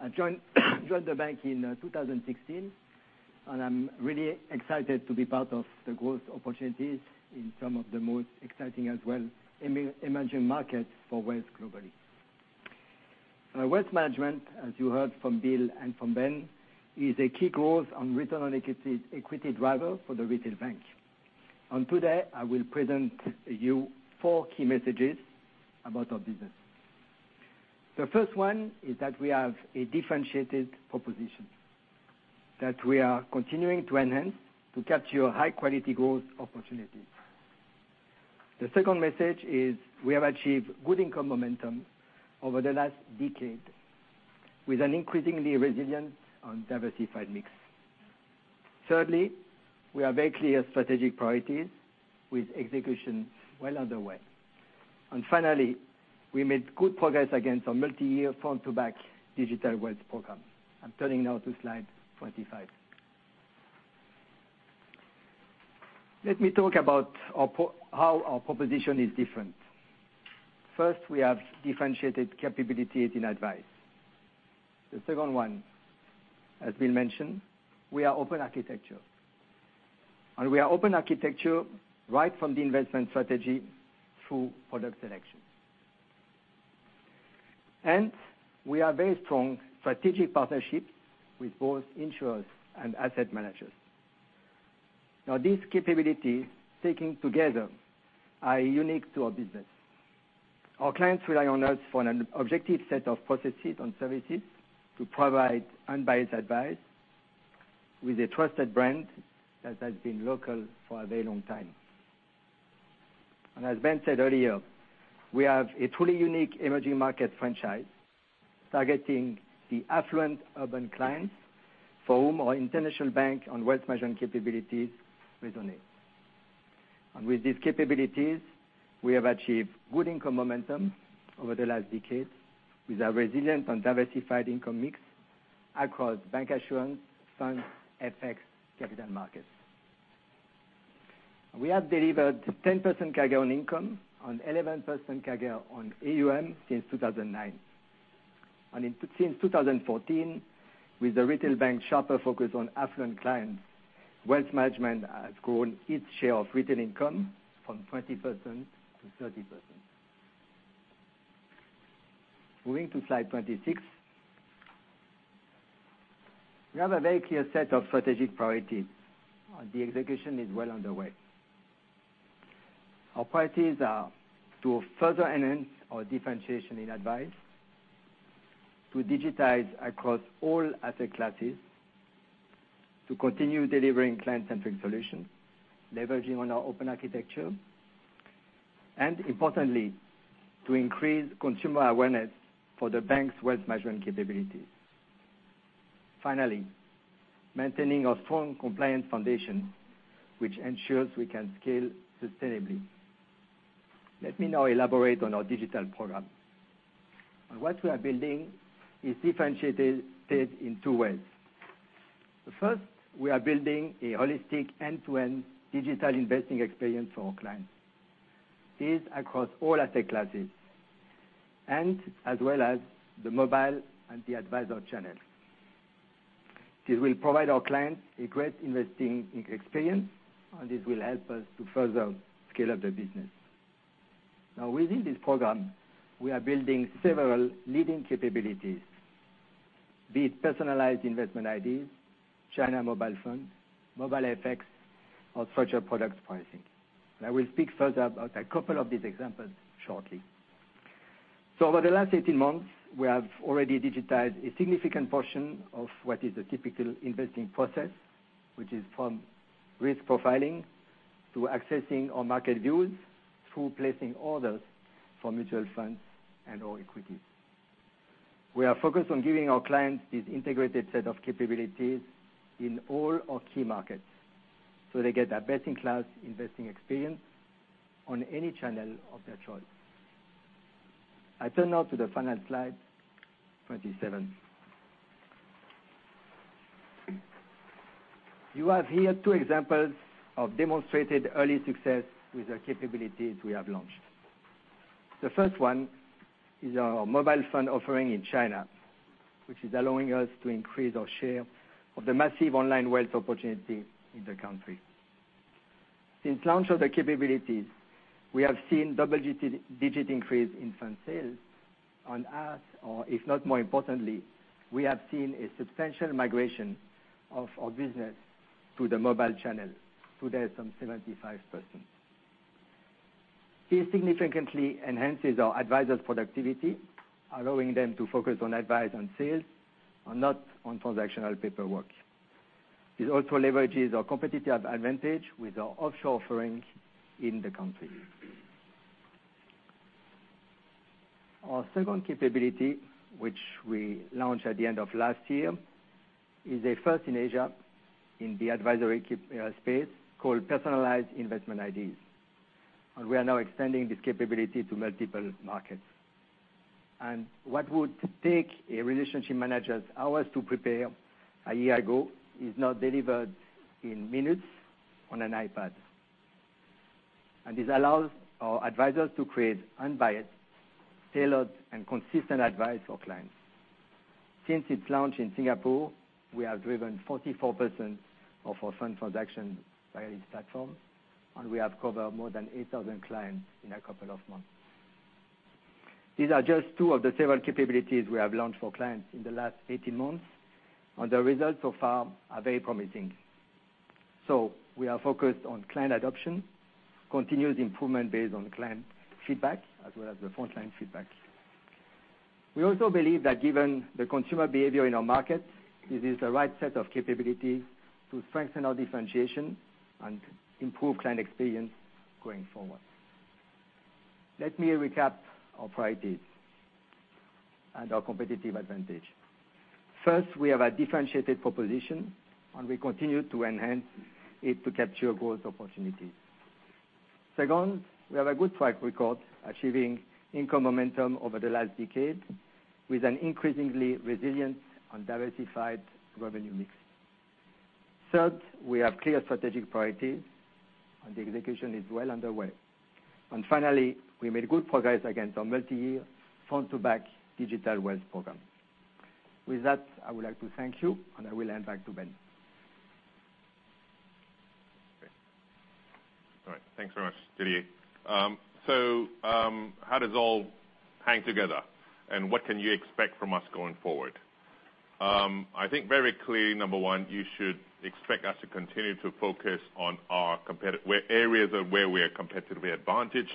Speaker 4: I joined the bank in 2016, and I am really excited to be part of the growth opportunities in some of the most exciting as well emerging markets for wealth globally. Wealth Management, as you heard from Bill and from Ben, is a key growth and return on equity driver for the retail bank. Today, I will present you four key messages about our business. The first one is that we have a differentiated proposition that we are continuing to enhance to capture high-quality growth opportunities. The second message is we have achieved good income momentum over the last decade with an increasingly resilient and diversified mix. Thirdly, we have very clear strategic priorities with execution well underway. Finally, we made good progress against our multi-year front to back digital wealth program. I am turning now to slide 25. Let me talk about how our proposition is different. First, we have differentiated capabilities in advice. The second one, as Bill mentioned, we are open architecture. We are open architecture right from the investment strategy through product selection. We have very strong strategic partnerships with both insurers and asset managers. These capabilities taken together are unique to our business. Our clients rely on us for an objective set of processes and services to provide unbiased advice with a trusted brand that has been local for a very long time. As Ben said earlier, we have a truly unique emerging market franchise targeting the affluent urban clients for whom our international bank and wealth management capabilities resonate. With these capabilities, we have achieved good income momentum over the last decade with a resilient and diversified income mix across bancassurance, funds, FX, capital markets. We have delivered 10% CAGR on income and 11% CAGR on AUM since 2009. Since 2014, with the retail bank sharper focus on affluent clients, wealth management has grown its share of retail income from 20% to 30%. Moving to slide 26. We have a very clear set of strategic priorities, and the execution is well underway. Our priorities are to further enhance our differentiation in advice, to digitize across all asset classes, to continue delivering client-centric solutions, leveraging on our open architecture, and importantly, to increase consumer awareness for the bank's wealth management capabilities. Finally, maintaining a strong compliance foundation, which ensures we can scale sustainably. Let me now elaborate on our digital program. What we are building is differentiated in two ways. First, we are building a holistic end-to-end digital investing experience for our clients, this across all asset classes. As well as the mobile and the advisor channel. This will provide our clients a great investing experience, and this will help us to further scale up the business. Now, within this program, we are building several leading capabilities, be it Personalized Investment Ideas, China mobile phones, mobile FX, or structured product pricing. I will speak further about a couple of these examples shortly. Over the last 18 months, we have already digitized a significant portion of what is a typical investing process, which is from risk profiling to accessing our market views, through placing orders for mutual funds and/or equities. We are focused on giving our clients this integrated set of capabilities in all our key markets so they get a best-in-class investing experience on any channel of their choice. I turn now to the final slide 27. You have here two examples of demonstrated early success with the capabilities we have launched. The first one is our mobile phone offering in China, which is allowing us to increase our share of the massive online wealth opportunity in the country. Since launch of the capabilities, we have seen double-digit increase in fund sales. On ask, or if not more importantly, we have seen a substantial migration of our business to the mobile channel, today at some 75%. This significantly enhances our advisors' productivity, allowing them to focus on advice on sales and not on transactional paperwork. This also leverages our competitive advantage with our offshore offerings in the country. Our second capability, which we launched at the end of last year, is a first in Asia in the advisory space called Personalized Investment Ideas. We are now extending this capability to multiple markets. What would take a relationship manager hours to prepare a year ago is now delivered in minutes on an iPad. This allows our advisors to create unbiased, tailored, and consistent advice for clients. Since its launch in Singapore, we have driven 44% of our fund transactions via this platform, and we have covered more than 8,000 clients in a couple of months. These are just two of the several capabilities we have launched for clients in the last 18 months, and the results so far are very promising. We are focused on client adoption, continuous improvement based on client feedback, as well as the frontline feedback. We also believe that given the consumer behavior in our markets, it is the right set of capabilities to strengthen our differentiation and improve client experience going forward. Let me recap our priorities and our competitive advantage. First, we have a differentiated proposition, and we continue to enhance it to capture growth opportunities. Second, we have a good track record achieving income momentum over the last decade with an increasingly resilient and diversified revenue mix. Third, we have clear strategic priorities, and the execution is well underway. Finally, we made good progress against our multi-year, front-to-back digital wealth program. With that, I would like to thank you, and I will hand back to Ben.
Speaker 2: Okay. All right. Thanks very much, Didier. How does it all hang together? What can you expect from us going forward? I think very clearly, number one, you should expect us to continue to focus on areas where we are competitively advantaged,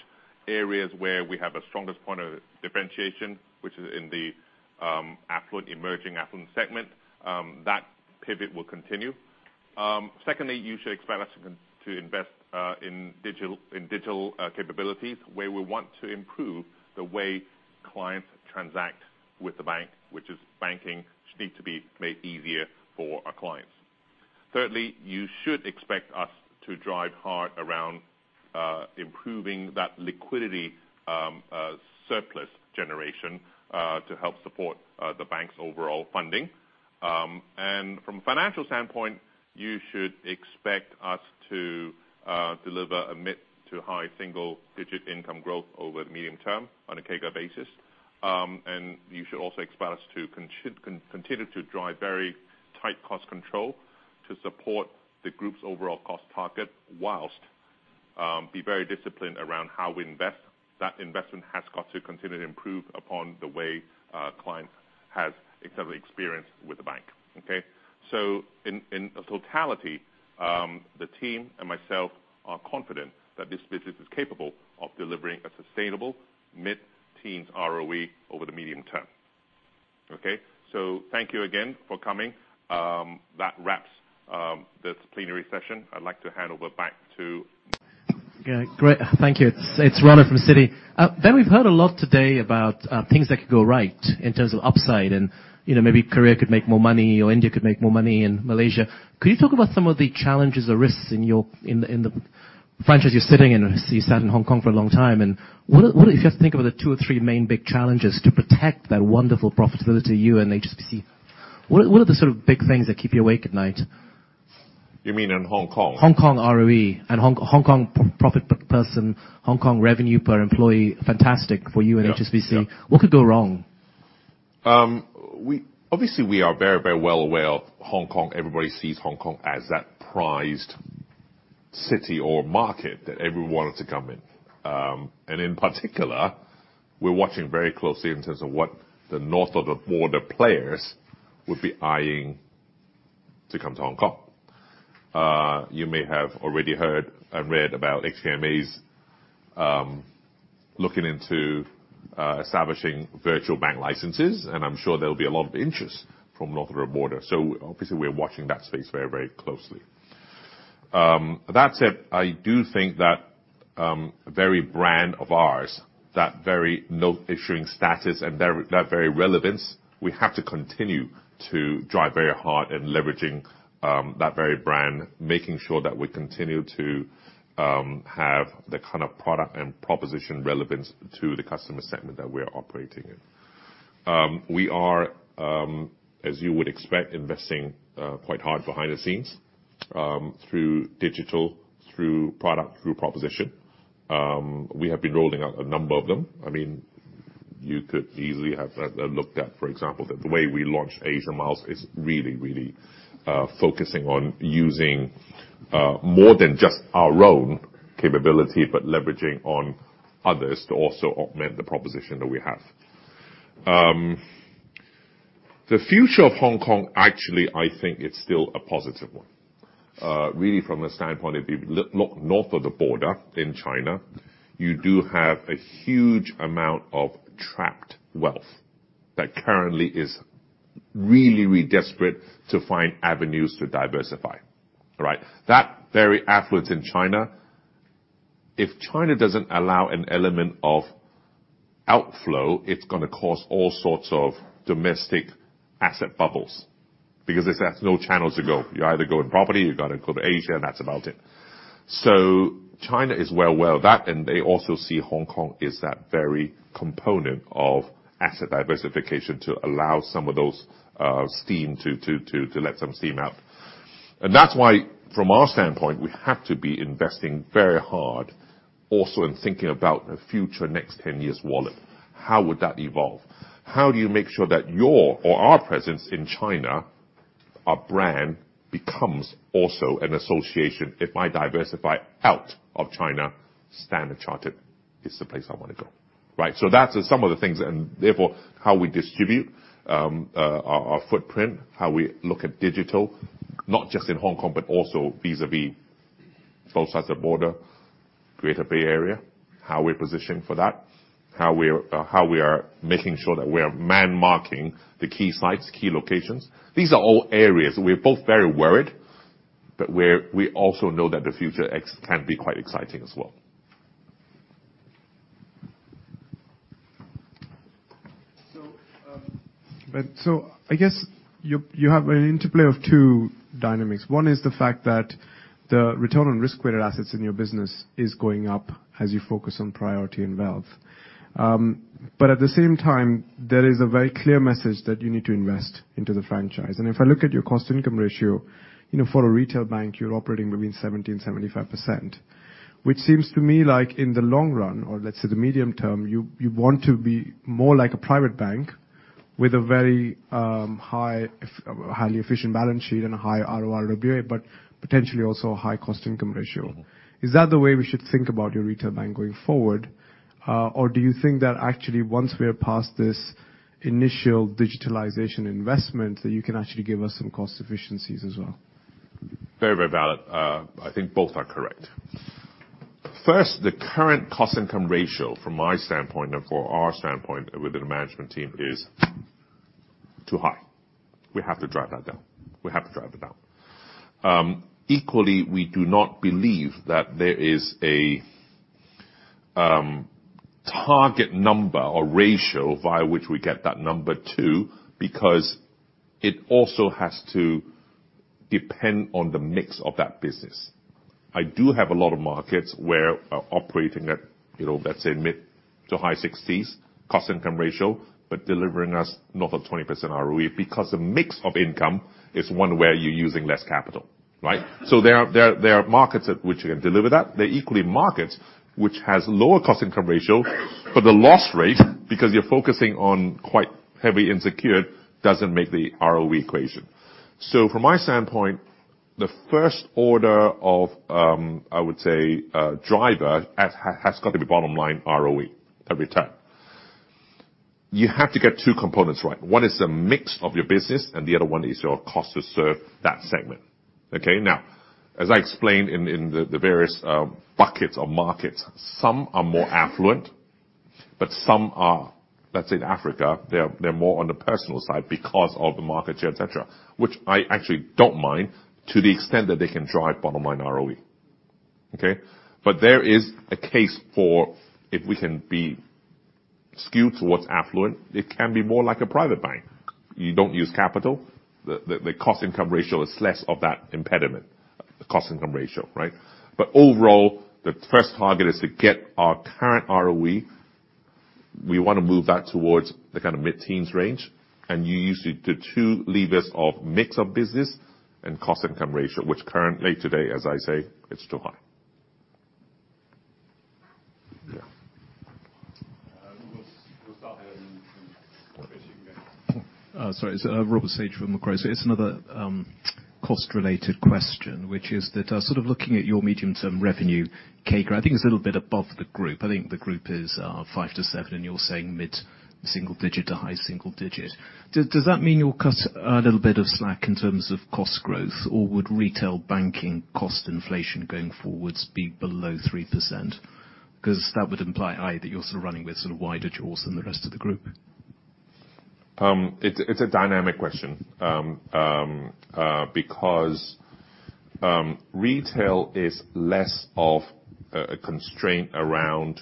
Speaker 2: areas where we have the strongest point of differentiation, which is in the emerging affluent segment. That pivot will continue. Secondly, you should expect us to invest in digital capabilities, where we want to improve the way clients transact with the bank, which is banking should need to be made easier for our clients. Thirdly, you should expect us to drive hard around improving that liquidity surplus generation, to help support the bank's overall funding. From a financial standpoint, you should expect us to deliver a mid-to-high single-digit income growth over the medium term on a CAGR basis. You should also expect us to continue to drive very tight cost control to support the group's overall cost target whilst be very disciplined around how we invest. That investment has got to continue to improve upon the way a client has externally experienced with the bank. Okay. In totality, the team and myself are confident that this business is capable of delivering a sustainable mid-teens ROE over the medium term. Okay. Thank you again for coming. That wraps this plenary session. I'd like to hand over back to-
Speaker 5: Yeah. Great. Thank you. It's Ronit from Citi. Ben, we've heard a lot today about things that could go right in terms of upside and maybe Korea could make more money or India could make more money, and Malaysia. Could you talk about some of the challenges or risks in the franchise you're sitting in? You sat in Hong Kong for a long time, and if you have to think about the two or three main big challenges to protect that wonderful profitability you and HSBC, what are the sort of big things that keep you awake at night?
Speaker 2: You mean in Hong Kong?
Speaker 5: Hong Kong ROE and Hong Kong [profit pool], Hong Kong revenue per employee. Fantastic for you and HSBC.
Speaker 2: Yeah.
Speaker 5: What could go wrong?
Speaker 2: We are very well aware of Hong Kong. Everybody sees Hong Kong as that prized city or market that everyone wanted to come in. In particular, we're watching very closely in terms of what the north of the border players would be eyeing to come to Hong Kong. You may have already heard and read about HKMA's looking into establishing virtual bank licenses, and I'm sure there'll be a lot of interest from north of the border. Obviously, we're watching that space very closely. That said, I do think that very brand of ours, that very note-issuing status and that very relevance, we have to continue to drive very hard in leveraging that very brand, making sure that we continue to have the kind of product and proposition relevance to the customer segment that we are operating in. We are, as you would expect, investing quite hard behind the scenes, through digital, through product, through proposition. We have been rolling out a number of them. You could easily have looked at, for example, that the way we launch Asia Miles is really focusing on using more than just our own capability, but leveraging on others to also augment the proposition that we have. The future of Hong Kong, actually, I think it's still a positive one. Really, from a standpoint of if you look north of the border in China, you do have a huge amount of trapped wealth that currently is really desperate to find avenues to diversify. Right? That very affluent in China. If China doesn't allow an element of outflow, it's going to cause all sorts of domestic asset bubbles because this has no channels to go. You either go in property or you go to A-shares, and that's about it. China is well aware of that, and they also see Hong Kong as that very component of asset diversification to allow some of those steam to let some steam out. That's why, from our standpoint, we have to be investing very hard also in thinking about the future next 10 years wallet. How would that evolve? How do you make sure that your, or our presence in China, our brand becomes also an association? If I diversify out of China, Standard Chartered is the place I want to go. Right? That's some of the things and therefore how we distribute our footprint, how we look at digital, not just in Hong Kong, but also vis-a-vis both sides of the border, Greater Bay Area, how we position for that, how we are making sure that we are man-marking the key sites, key locations. These are all areas we're both very worried, but we also know that the future can be quite exciting as well.
Speaker 6: I guess you have an interplay of two dynamics. One is the fact that the return on Risk-Weighted Assets in your business is going up as you focus on priority and wealth. At the same time, there is a very clear message that you need to invest into the franchise. If I look at your cost-income ratio, for a retail bank, you're operating within 70% and 75%, which seems to me like in the long run, or let's say the medium term, you want to be more like a private bank with a very highly efficient balance sheet and a high ROA, ROE, but potentially also a high cost-income ratio. Is that the way we should think about your retail bank going forward? Do you think that actually once we are past this initial digitalization investment, that you can actually give us some cost efficiencies as well?
Speaker 2: The current cost-income ratio from my standpoint and for our standpoint within the management team is too high. We have to drive that down. We have to drive it down. Equally, we do not believe that there is a target number or ratio via which we get that number to, because it also has to depend on the mix of that business. I do have a lot of markets where operating at, let's say mid to high 60s cost-income ratio, but delivering us north of 20% ROE because the mix of income is one where you're using less capital. Right? There are markets at which you can deliver that. There are equally markets which has lower cost-income ratio, but the loss rate, because you're focusing on quite heavy unsecured, doesn't make the ROE equation. From my standpoint, the first order of, I would say, driver has got to be bottom-line ROE every time. You have to get two components right. One is the mix of your business, and the other one is your cost to serve that segment. Okay? As I explained in the various buckets or markets, some are more affluent, but some are, let's say Africa, they're more on the personal side because of the market share, et cetera, which I actually don't mind to the extent that they can drive bottom-line ROE. Okay? There is a case for if we can be skewed towards affluent, it can be more like a private bank. You don't use capital. The cost-income ratio is less of that impediment. Cost-income ratio, right? Overall, the first target is to get our current ROE. We want to move back towards the kind of mid-teens range. You use the two levers of mix of business and cost-income ratio, which currently today, as I say, it's too high. Yeah.
Speaker 7: We'll start here and switch again.
Speaker 8: Sorry. It is Robert Sage from Macquarie. It is another cost-related question, which is that sort of looking at your medium term revenue CAGR, I think it is a little bit above the group. I think the group is 5%-7%, and you are saying mid-single digit to high single digit. Does that mean you will cut a little bit of slack in terms of cost growth, or would retail banking cost inflation going forwards be below 3%? That would imply, A, that you are sort of running with sort of wider jaws than the rest of the group.
Speaker 2: It is a dynamic question. Retail is less of a constraint around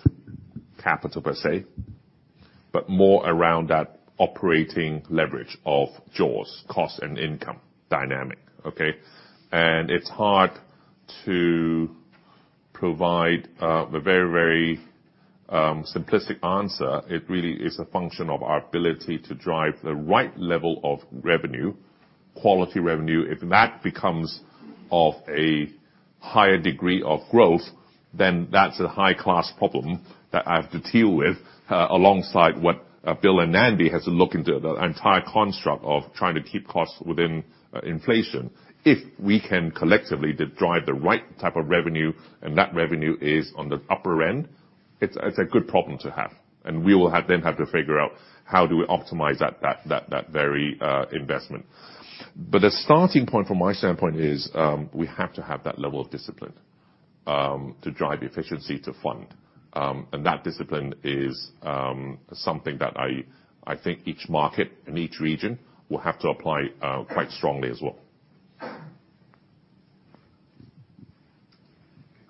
Speaker 2: capital per se, but more around that operating leverage of jaws, cost and income dynamic. Okay. It is hard to provide the very simplistic answer. It really is a function of our ability to drive the right level of revenue, quality revenue. If that becomes of a higher degree of growth, that is a high-class problem that I have to deal with, alongside what Bill and Andy have to look into, the entire construct of trying to keep costs within inflation. If we can collectively drive the right type of revenue and that revenue is on the upper end, it is a good problem to have. We will then have to figure out how do we optimize that very investment. The starting point from my standpoint is, we have to have that level of discipline to drive efficiency to fund. That discipline is something that I think each market and each region will have to apply quite strongly as well.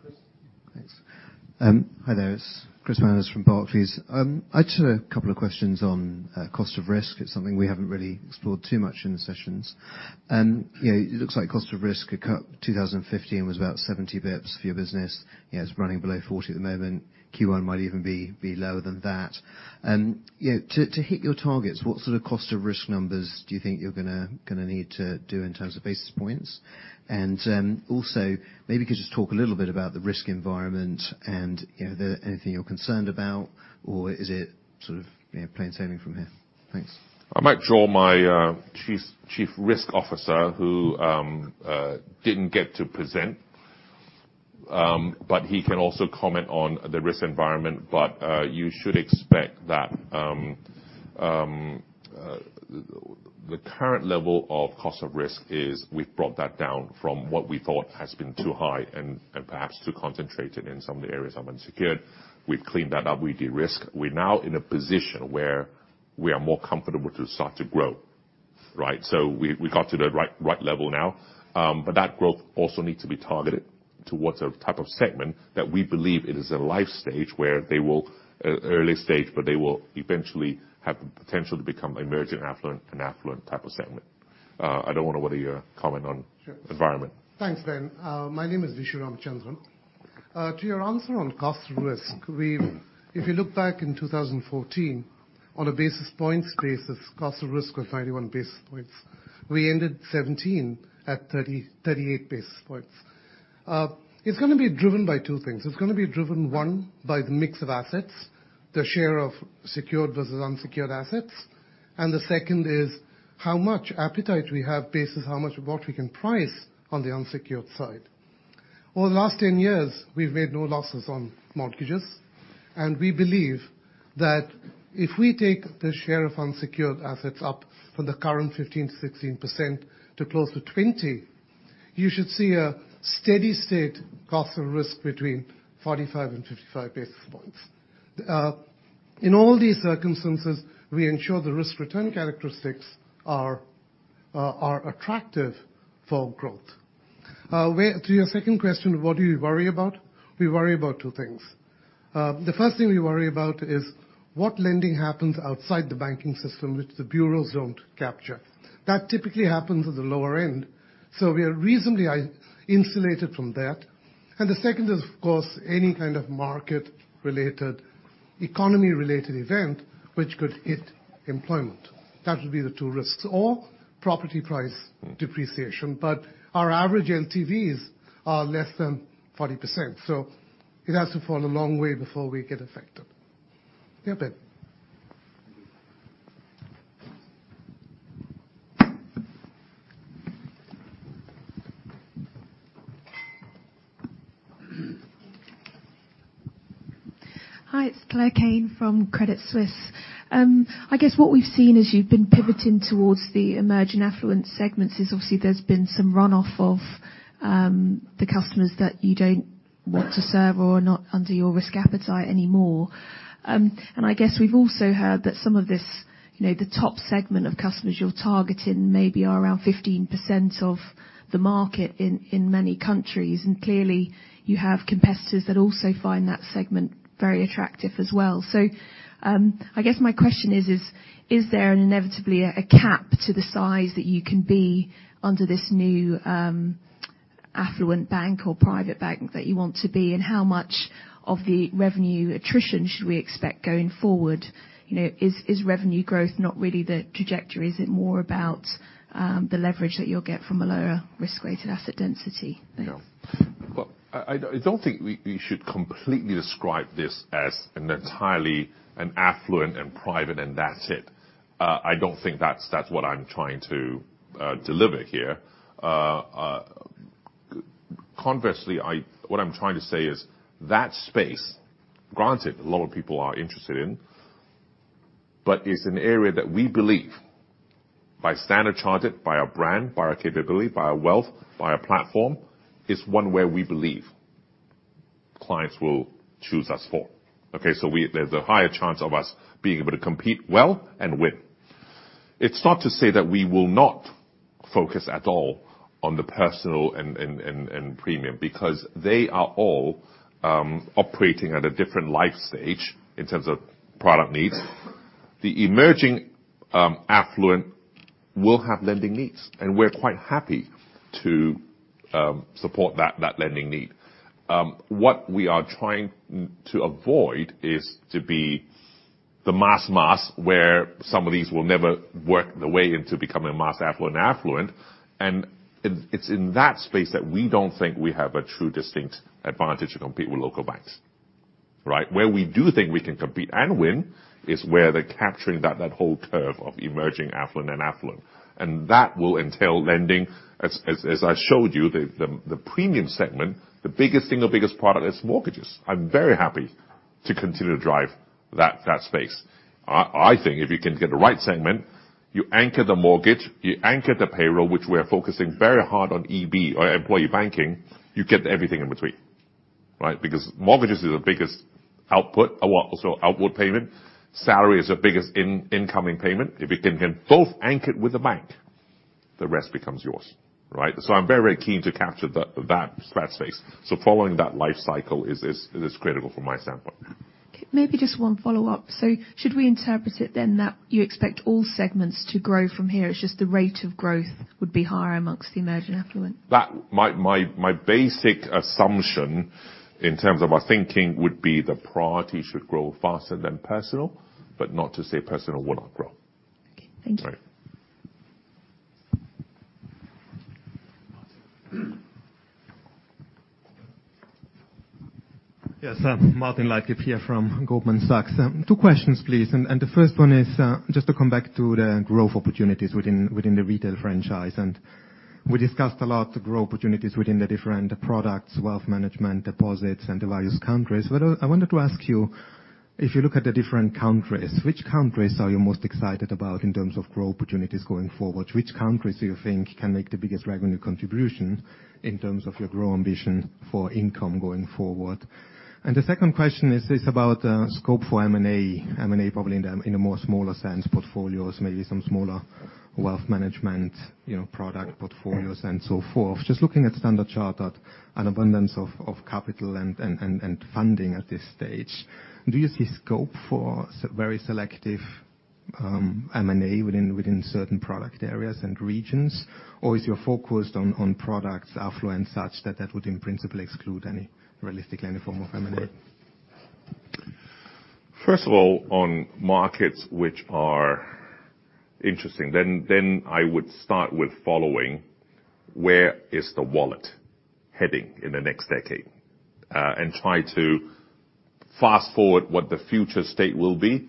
Speaker 7: Chris?
Speaker 9: Thanks. Hi there, it is Chris Manners from Barclays. I just have a couple of questions on cost of risk. It is something we have not really explored too much in the sessions. It looks like cost of risk could cut 2015 was about 70 basis points for your business. It is running below 40 basis points at the moment. Q1 might even be lower than that. To hit your targets, what sort of cost of risk numbers do you think you are going to need to do in terms of basis points? Also, maybe you could just talk a little bit about the risk environment and anything you are concerned about, or is it sort of plain sailing from here? Thanks.
Speaker 2: I might draw my Chief Risk Officer who didn't get to present. He can also comment on the risk environment. You should expect that the current level of cost of risk is we've brought that down from what we thought has been too high and perhaps too concentrated in some of the areas of unsecured. We've cleaned that up. We de-risked. We're now in a position where we are more comfortable to start to grow. Right? We got to the right level now. That growth also needs to be targeted towards a type of segment that we believe it is a life stage where they will, early stage, but they will eventually have the potential to become emerging affluent and affluent type of segment. I don't want to whether you comment on environment.
Speaker 10: Sure. Thanks, Ben. My name is Vishu Ramachandran. To your answer on cost of risk, if you look back in 2014, on a basis points basis, cost of risk was 91 basis points. We ended 2017 at 38 basis points. It's going to be driven by two things. It's going to be driven, one, by the mix of assets, the share of secured versus unsecured assets, and the second is how much appetite we have based on how much what we can price on the unsecured side. Over the last 10 years, we've made no losses on mortgages, and we believe that if we take the share of unsecured assets up from the current 15%-16% to close to 20%, you should see a steady state cost of risk between 45 and 55 basis points. In all these circumstances, we ensure the risk return characteristics are attractive for growth. To your second question, what do you worry about? We worry about two things. The first thing we worry about is what lending happens outside the banking system, which the bureaus don't capture. That typically happens at the lower end. And the second is, of course, any kind of market-related, economy-related event which could hit employment. That would be the two risks. Or property price depreciation. Our average LTVs are less than 40%, so it has to fall a long way before we get affected. Yeah, Ben.
Speaker 7: Thank you.
Speaker 11: Hi, it's Claire Kane from Credit Suisse. I guess what we've seen as you've been pivoting towards the emerging affluent segments is obviously there's been some runoff of the customers that you don't want to serve or are not under your risk appetite anymore. I guess we've also heard that some of this, the top segment of customers you're targeting maybe are around 15% of the market in many countries, and clearly you have competitors that also find that segment very attractive as well. I guess my question is there inevitably a cap to the size that you can be under this new Affluent bank or private bank that you want to be, and how much of the revenue attrition should we expect going forward? Is revenue growth not really the trajectory? Is it more about the leverage that you'll get from a lower Risk-Weighted Assets density? Thank you.
Speaker 2: I don't think we should completely describe this as an entirely an affluent and private and that's it. I don't think that's what I'm trying to deliver here. Conversely, what I'm trying to say is that space, granted, a lot of people are interested in, but it's an area that we believe by Standard Chartered, by our brand, by our capability, by our wealth, by our platform, is one where we believe clients will choose us for. Okay? There's a higher chance of us being able to compete well and win. It's not to say that we will not focus at all on the personal and premium, because they are all operating at a different life stage in terms of product needs. The emerging affluent will have lending needs, and we're quite happy to support that lending need. What we are trying to avoid is to be the mass where some of these will never work the way into becoming mass affluent. It's in that space that we don't think we have a true distinct advantage to compete with local banks. Right? Where we do think we can compete and win is where they're capturing that whole curve of emerging affluent and affluent. That will entail lending. As I showed you, the premium segment, the single biggest product is mortgages. I'm very happy to continue to drive that space. I think if you can get the right segment, you anchor the mortgage, you anchor the payroll, which we are focusing very hard on EB, or employee banking, you get everything in between. Right? Because mortgages is the biggest output. Also outward payment. Salary is the biggest incoming payment. If you can both anchor it with the bank, the rest becomes yours. Right? I'm very keen to capture that space. Following that life cycle is critical from my standpoint.
Speaker 11: Okay, maybe just one follow-up. Should we interpret it then that you expect all segments to grow from here, it's just the rate of growth would be higher amongst the emerging affluent?
Speaker 2: My basic assumption in terms of our thinking would be the priority should grow faster than personal, but not to say personal will not grow.
Speaker 11: Okay. Thank you.
Speaker 2: Right.
Speaker 12: Yes. Martin Leitgeb here from Goldman Sachs. Two questions, please. The first one is, just to come back to the growth opportunities within the retail franchise. We discussed a lot the growth opportunities within the different products, wealth management, deposits and the various countries. I wanted to ask you, if you look at the different countries, which countries are you most excited about in terms of growth opportunities going forward? Which countries do you think can make the biggest revenue contribution in terms of your growth ambition for income going forward? The second question is about scope for M&A, probably in a more smaller sense, portfolios, maybe some smaller wealth management product portfolios and so forth. Just looking at Standard Chartered, an abundance of capital and funding at this stage, do you see scope for very selective M&A within certain product areas and regions? Is your focus on products affluent such that that would in principle exclude realistically any form of M&A?
Speaker 2: First of all, on markets which are interesting, I would start with following where is the wallet heading in the next decade? Try to fast-forward what the future state will be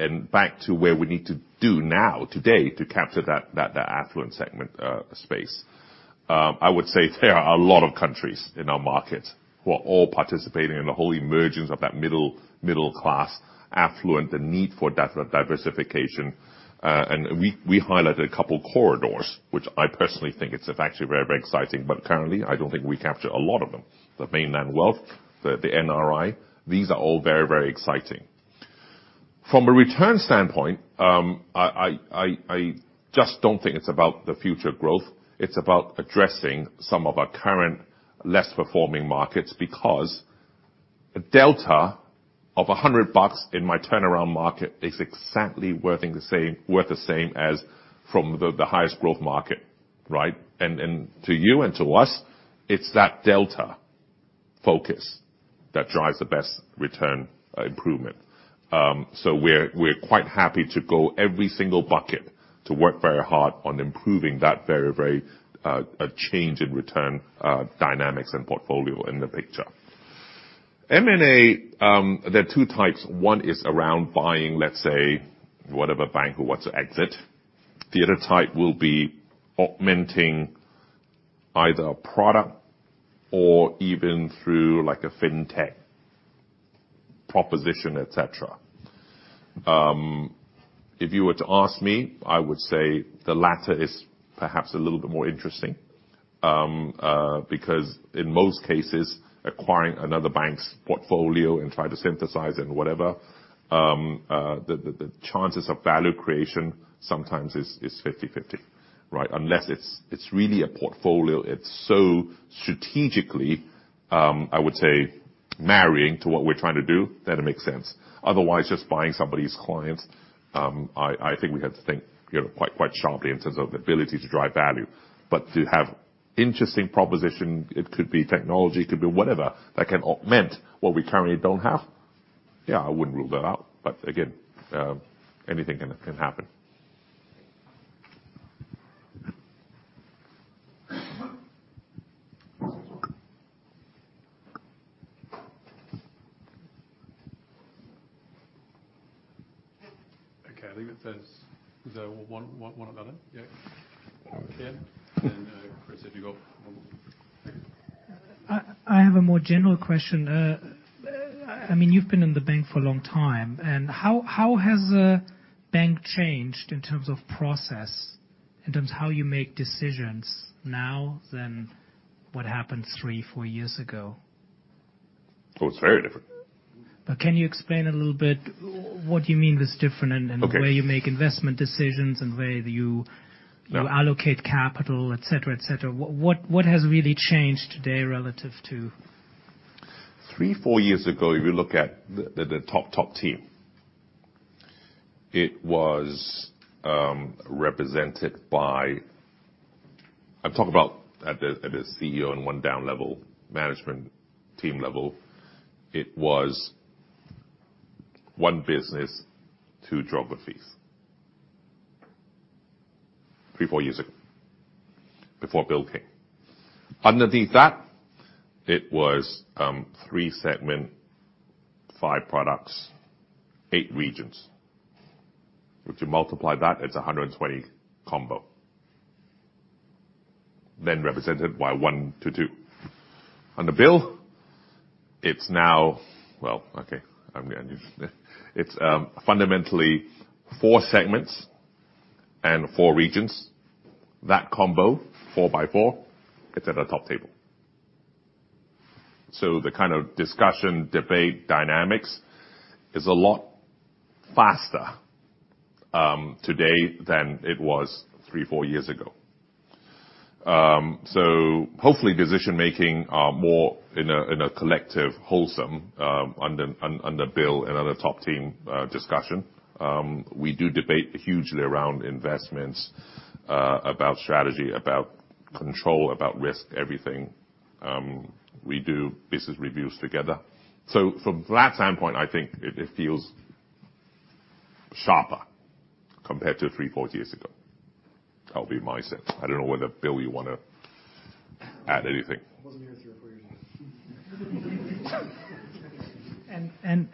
Speaker 2: and back to where we need to do now today to capture that affluent segment space. I would say there are a lot of countries in our market who are all participating in the whole emergence of that middle class affluent, the need for diversification. We highlighted a couple corridors, which I personally think it's actually very exciting, but currently, I don't think we capture a lot of them. The mainland wealth, the NRI, these are all very exciting. From a return standpoint, I just don't think it's about the future growth. It's about addressing some of our current less-performing markets because a delta of $100 in my turnaround market is exactly worth the same as from the highest growth market. Right? To you and to us, it's that delta focus that drives the best return improvement. We're quite happy to go every single bucket to work very hard on improving that very change in return dynamics and portfolio in the picture. M&A, there are two types. One is around buying, let's say, whatever bank who wants to exit. The other type will be augmenting either a product or even through like a fintech proposition, et cetera. If you were to ask me, I would say the latter is perhaps a little bit more interesting. In most cases, acquiring another bank's portfolio and try to synthesize it and whatever, the chances of value creation sometimes is 50/50, right? Unless it's really a portfolio, it's so strategically I would say marrying to what we're trying to do, then it makes sense. Otherwise, just buying somebody's clients, I think we have to think quite sharply in terms of the ability to drive value. To have interesting proposition, it could be technology, could be whatever, that can augment what we currently don't have. I wouldn't rule that out. Again, anything can happen.
Speaker 7: Okay. I think there's one other? Ken, and Chris, if you got one more.
Speaker 6: I have a more general question. You've been in the bank for a long time. How has the bank changed in terms of process, in terms of how you make decisions now than what happened three, four years ago?
Speaker 2: It's very different.
Speaker 6: Can you explain a little bit what you mean it's different?
Speaker 2: Okay
Speaker 6: The way you make investment decisions and way that you allocate capital, et cetera. What has really changed today relative to.
Speaker 2: Three, four years ago, if you look at the top team, it was represented by, I'm talking about at the CEO and one down level, management team level. It was one business, two geographies. Three, four years ago. Before Bill came. Underneath that, it was three segment, five products, eight regions. If you multiply that, it's 120 combo. Represented by one to two. Under Bill, it's now. It's fundamentally four segments and four regions. That combo, four by four, it's at the top table. The kind of discussion, debate, dynamics, is a lot faster today than it was three, four years ago. Hopefully, decision-making are more in a collective whole under Bill and other top team discussion. We do debate hugely around investments, about strategy, about control, about risk, everything. We do business reviews together. From that standpoint, I think it feels sharper compared to three, four years ago. That'll be my sense. I don't know whether, Bill, you want to add anything.
Speaker 7: I wasn't here three or four years ago.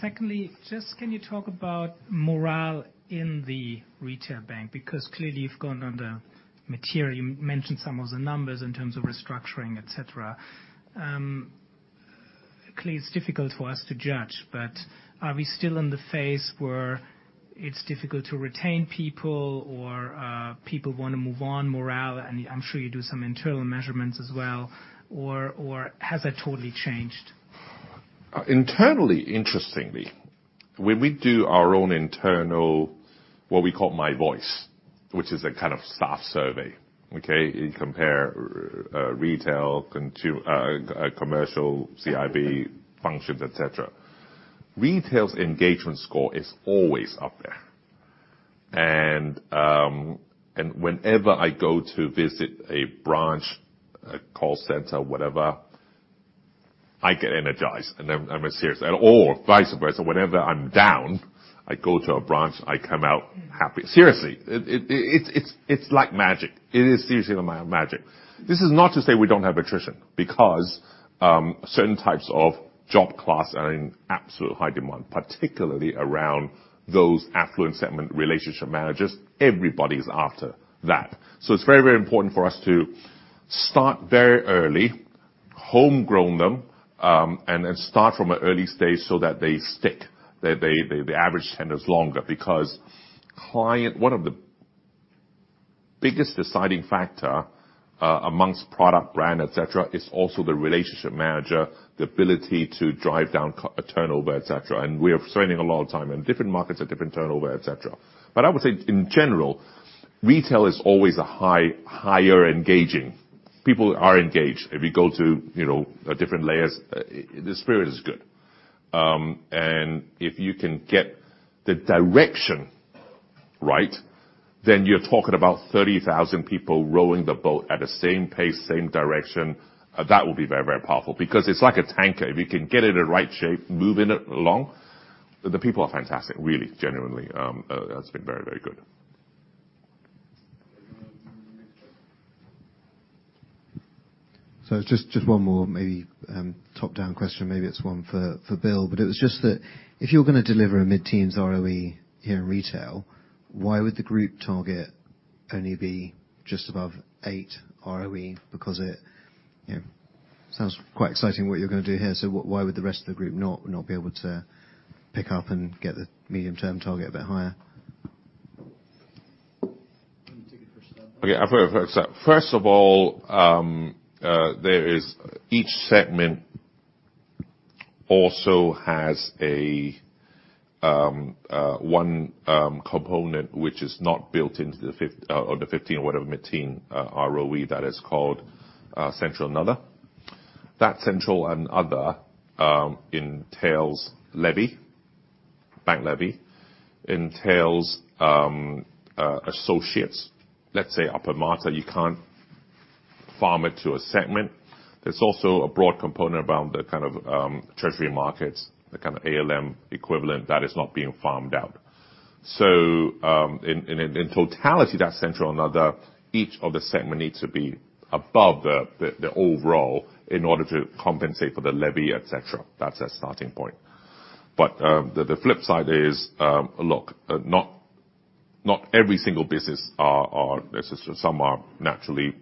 Speaker 6: Secondly, just can you talk about morale in the Retail bank? Clearly you've gone under material, you mentioned some of the numbers in terms of restructuring, et cetera. Clearly, it's difficult for us to judge, but are we still in the phase where it's difficult to retain people or people want to move on morale, and I'm sure you do some internal measurements as well. Has that totally changed?
Speaker 2: Internally, interestingly, when we do our own internal, what we call My Voice, which is a kind of staff survey, okay, you compare Retail, Commercial, CIB functions, et cetera. Retail's engagement score is always up there. Whenever I go to visit a branch, a call center, whatever, I get energized, and I'm serious. Vice versa, whenever I'm down, I go to a branch, I come out happy. Seriously. It's like magic. It is seriously like magic. This is not to say we don't have attrition, because certain types of job class are in absolute high demand, particularly around those affluent segment relationship managers. Everybody's after that. It's very important for us to start very early, homegrown them, and then start from an early stage so that they stick. The average tenure's longer. One of the biggest deciding factor amongst product brand, et cetera, is also the relationship manager, the ability to drive down turnover, et cetera. We're spending a lot of time, and different markets have different turnover, et cetera. I would say in general, Retail is always a higher engaging. People are engaged. If you go to different layers, the spirit is good. If you can get the direction right, you're talking about 30,000 people rowing the boat at the same pace, same direction. That will be very powerful. It's like a tanker. If you can get it in right shape, moving it along, the people are fantastic, really, genuinely. It's been very good.
Speaker 7: Anyone online?
Speaker 9: Just one more maybe top-down question, maybe it's one for Bill. It was just that if you're going to deliver a mid-teens ROE here in retail, why would the group target only be just above 8% ROE? It sounds quite exciting what you're going to do here, so why would the rest of the group not be able to pick up and get the medium-term target a bit higher?
Speaker 7: Let me take it first, Bill.
Speaker 2: Okay. First of all, there is each segment also has one component which is not built into the 15 or whatever mid-teens ROE that is called central and other. That central and other entails levy, bank levy, entails associates, let's say upper management, you can't farm it to a segment. There's also a broad component around the kind of treasury markets, the kind of ALM equivalent that is not being farmed out. In totality, that central and other, each of the segment needs to be above the overall in order to compensate for the levy, et cetera. That's a starting point. The flip side is, look, not every single business are necessary. Some are naturally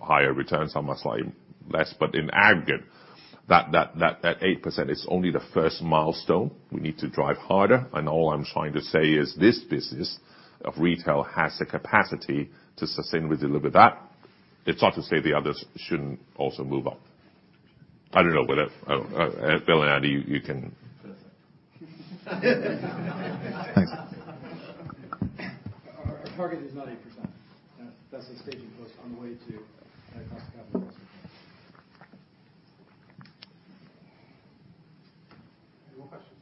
Speaker 2: higher returns, some are slightly less. In aggregate, that 8% is only the first milestone. We need to drive harder. All I'm trying to say is this business of retail has the capacity to sustainably deliver that. It's not to say the others shouldn't also move up. I don't know, if Bill or Andy, you can
Speaker 1: Our target is not 8%. That's a staging post on the way to a cost of capital of 10%.
Speaker 2: Any more questions?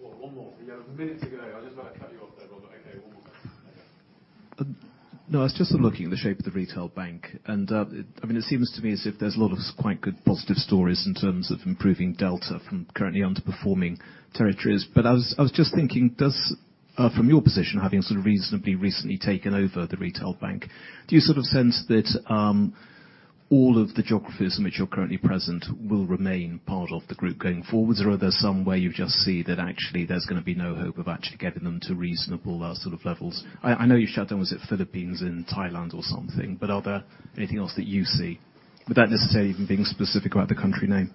Speaker 7: Well, one more. We have minutes to go. I just want to cut you off there, Ronald. Okay, one more.
Speaker 6: I was just looking at the shape of the retail bank, it seems to me as if there's a lot of quite good positive stories in terms of improving delta from currently underperforming territories. I was just thinking, does, from your position, having reasonably recently taken over the retail bank, do you sense that all of the geographies in which you're currently present will remain part of the group going forwards? Or are there some where you just see that actually there's going to be no hope of actually getting them to reasonable sort of levels? I know you shut down, was it Philippines and Thailand or something? Are there anything else that you see? Without necessarily even being specific about the country name.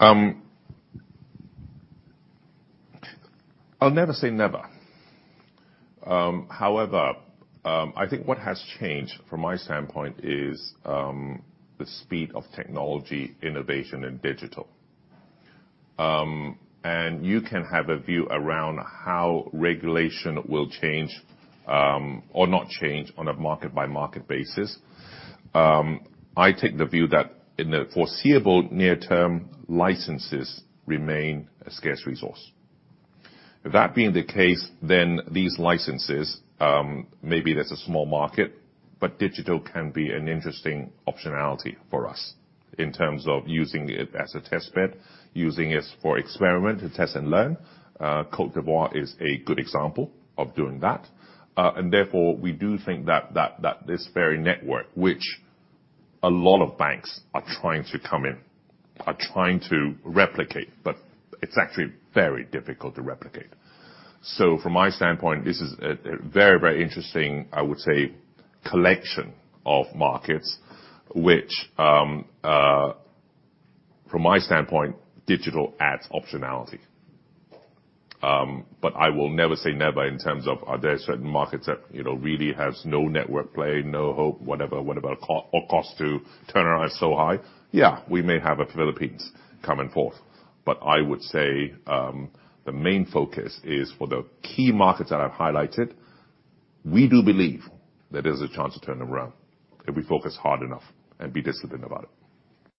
Speaker 2: I'll never say never. However, I think what has changed from my standpoint is the speed of technology innovation in digital. You can have a view around how regulation will change, or not change on a market by market basis. I take the view that in the foreseeable near term, licenses remain a scarce resource. That being the case, these licenses, maybe there's a small market, digital can be an interesting optionality for us in terms of using it as a test bed, using it for experiment, to test and learn. Cote d'Ivoire is a good example of doing that. Therefore, we do think that this very network, which a lot of banks are trying to come in, are trying to replicate, but it's actually very difficult to replicate. From my standpoint, this is a very interesting, I would say, collection of markets which from my standpoint, digital adds optionality. I will never say never in terms of are there certain markets that really has no network play, no hope, whatever, or cost to turn around is so high. We may have a Philippines coming forth. I would say, the main focus is for the key markets that I've highlighted. We do believe there is a chance to turn around if we focus hard enough and be disciplined about it.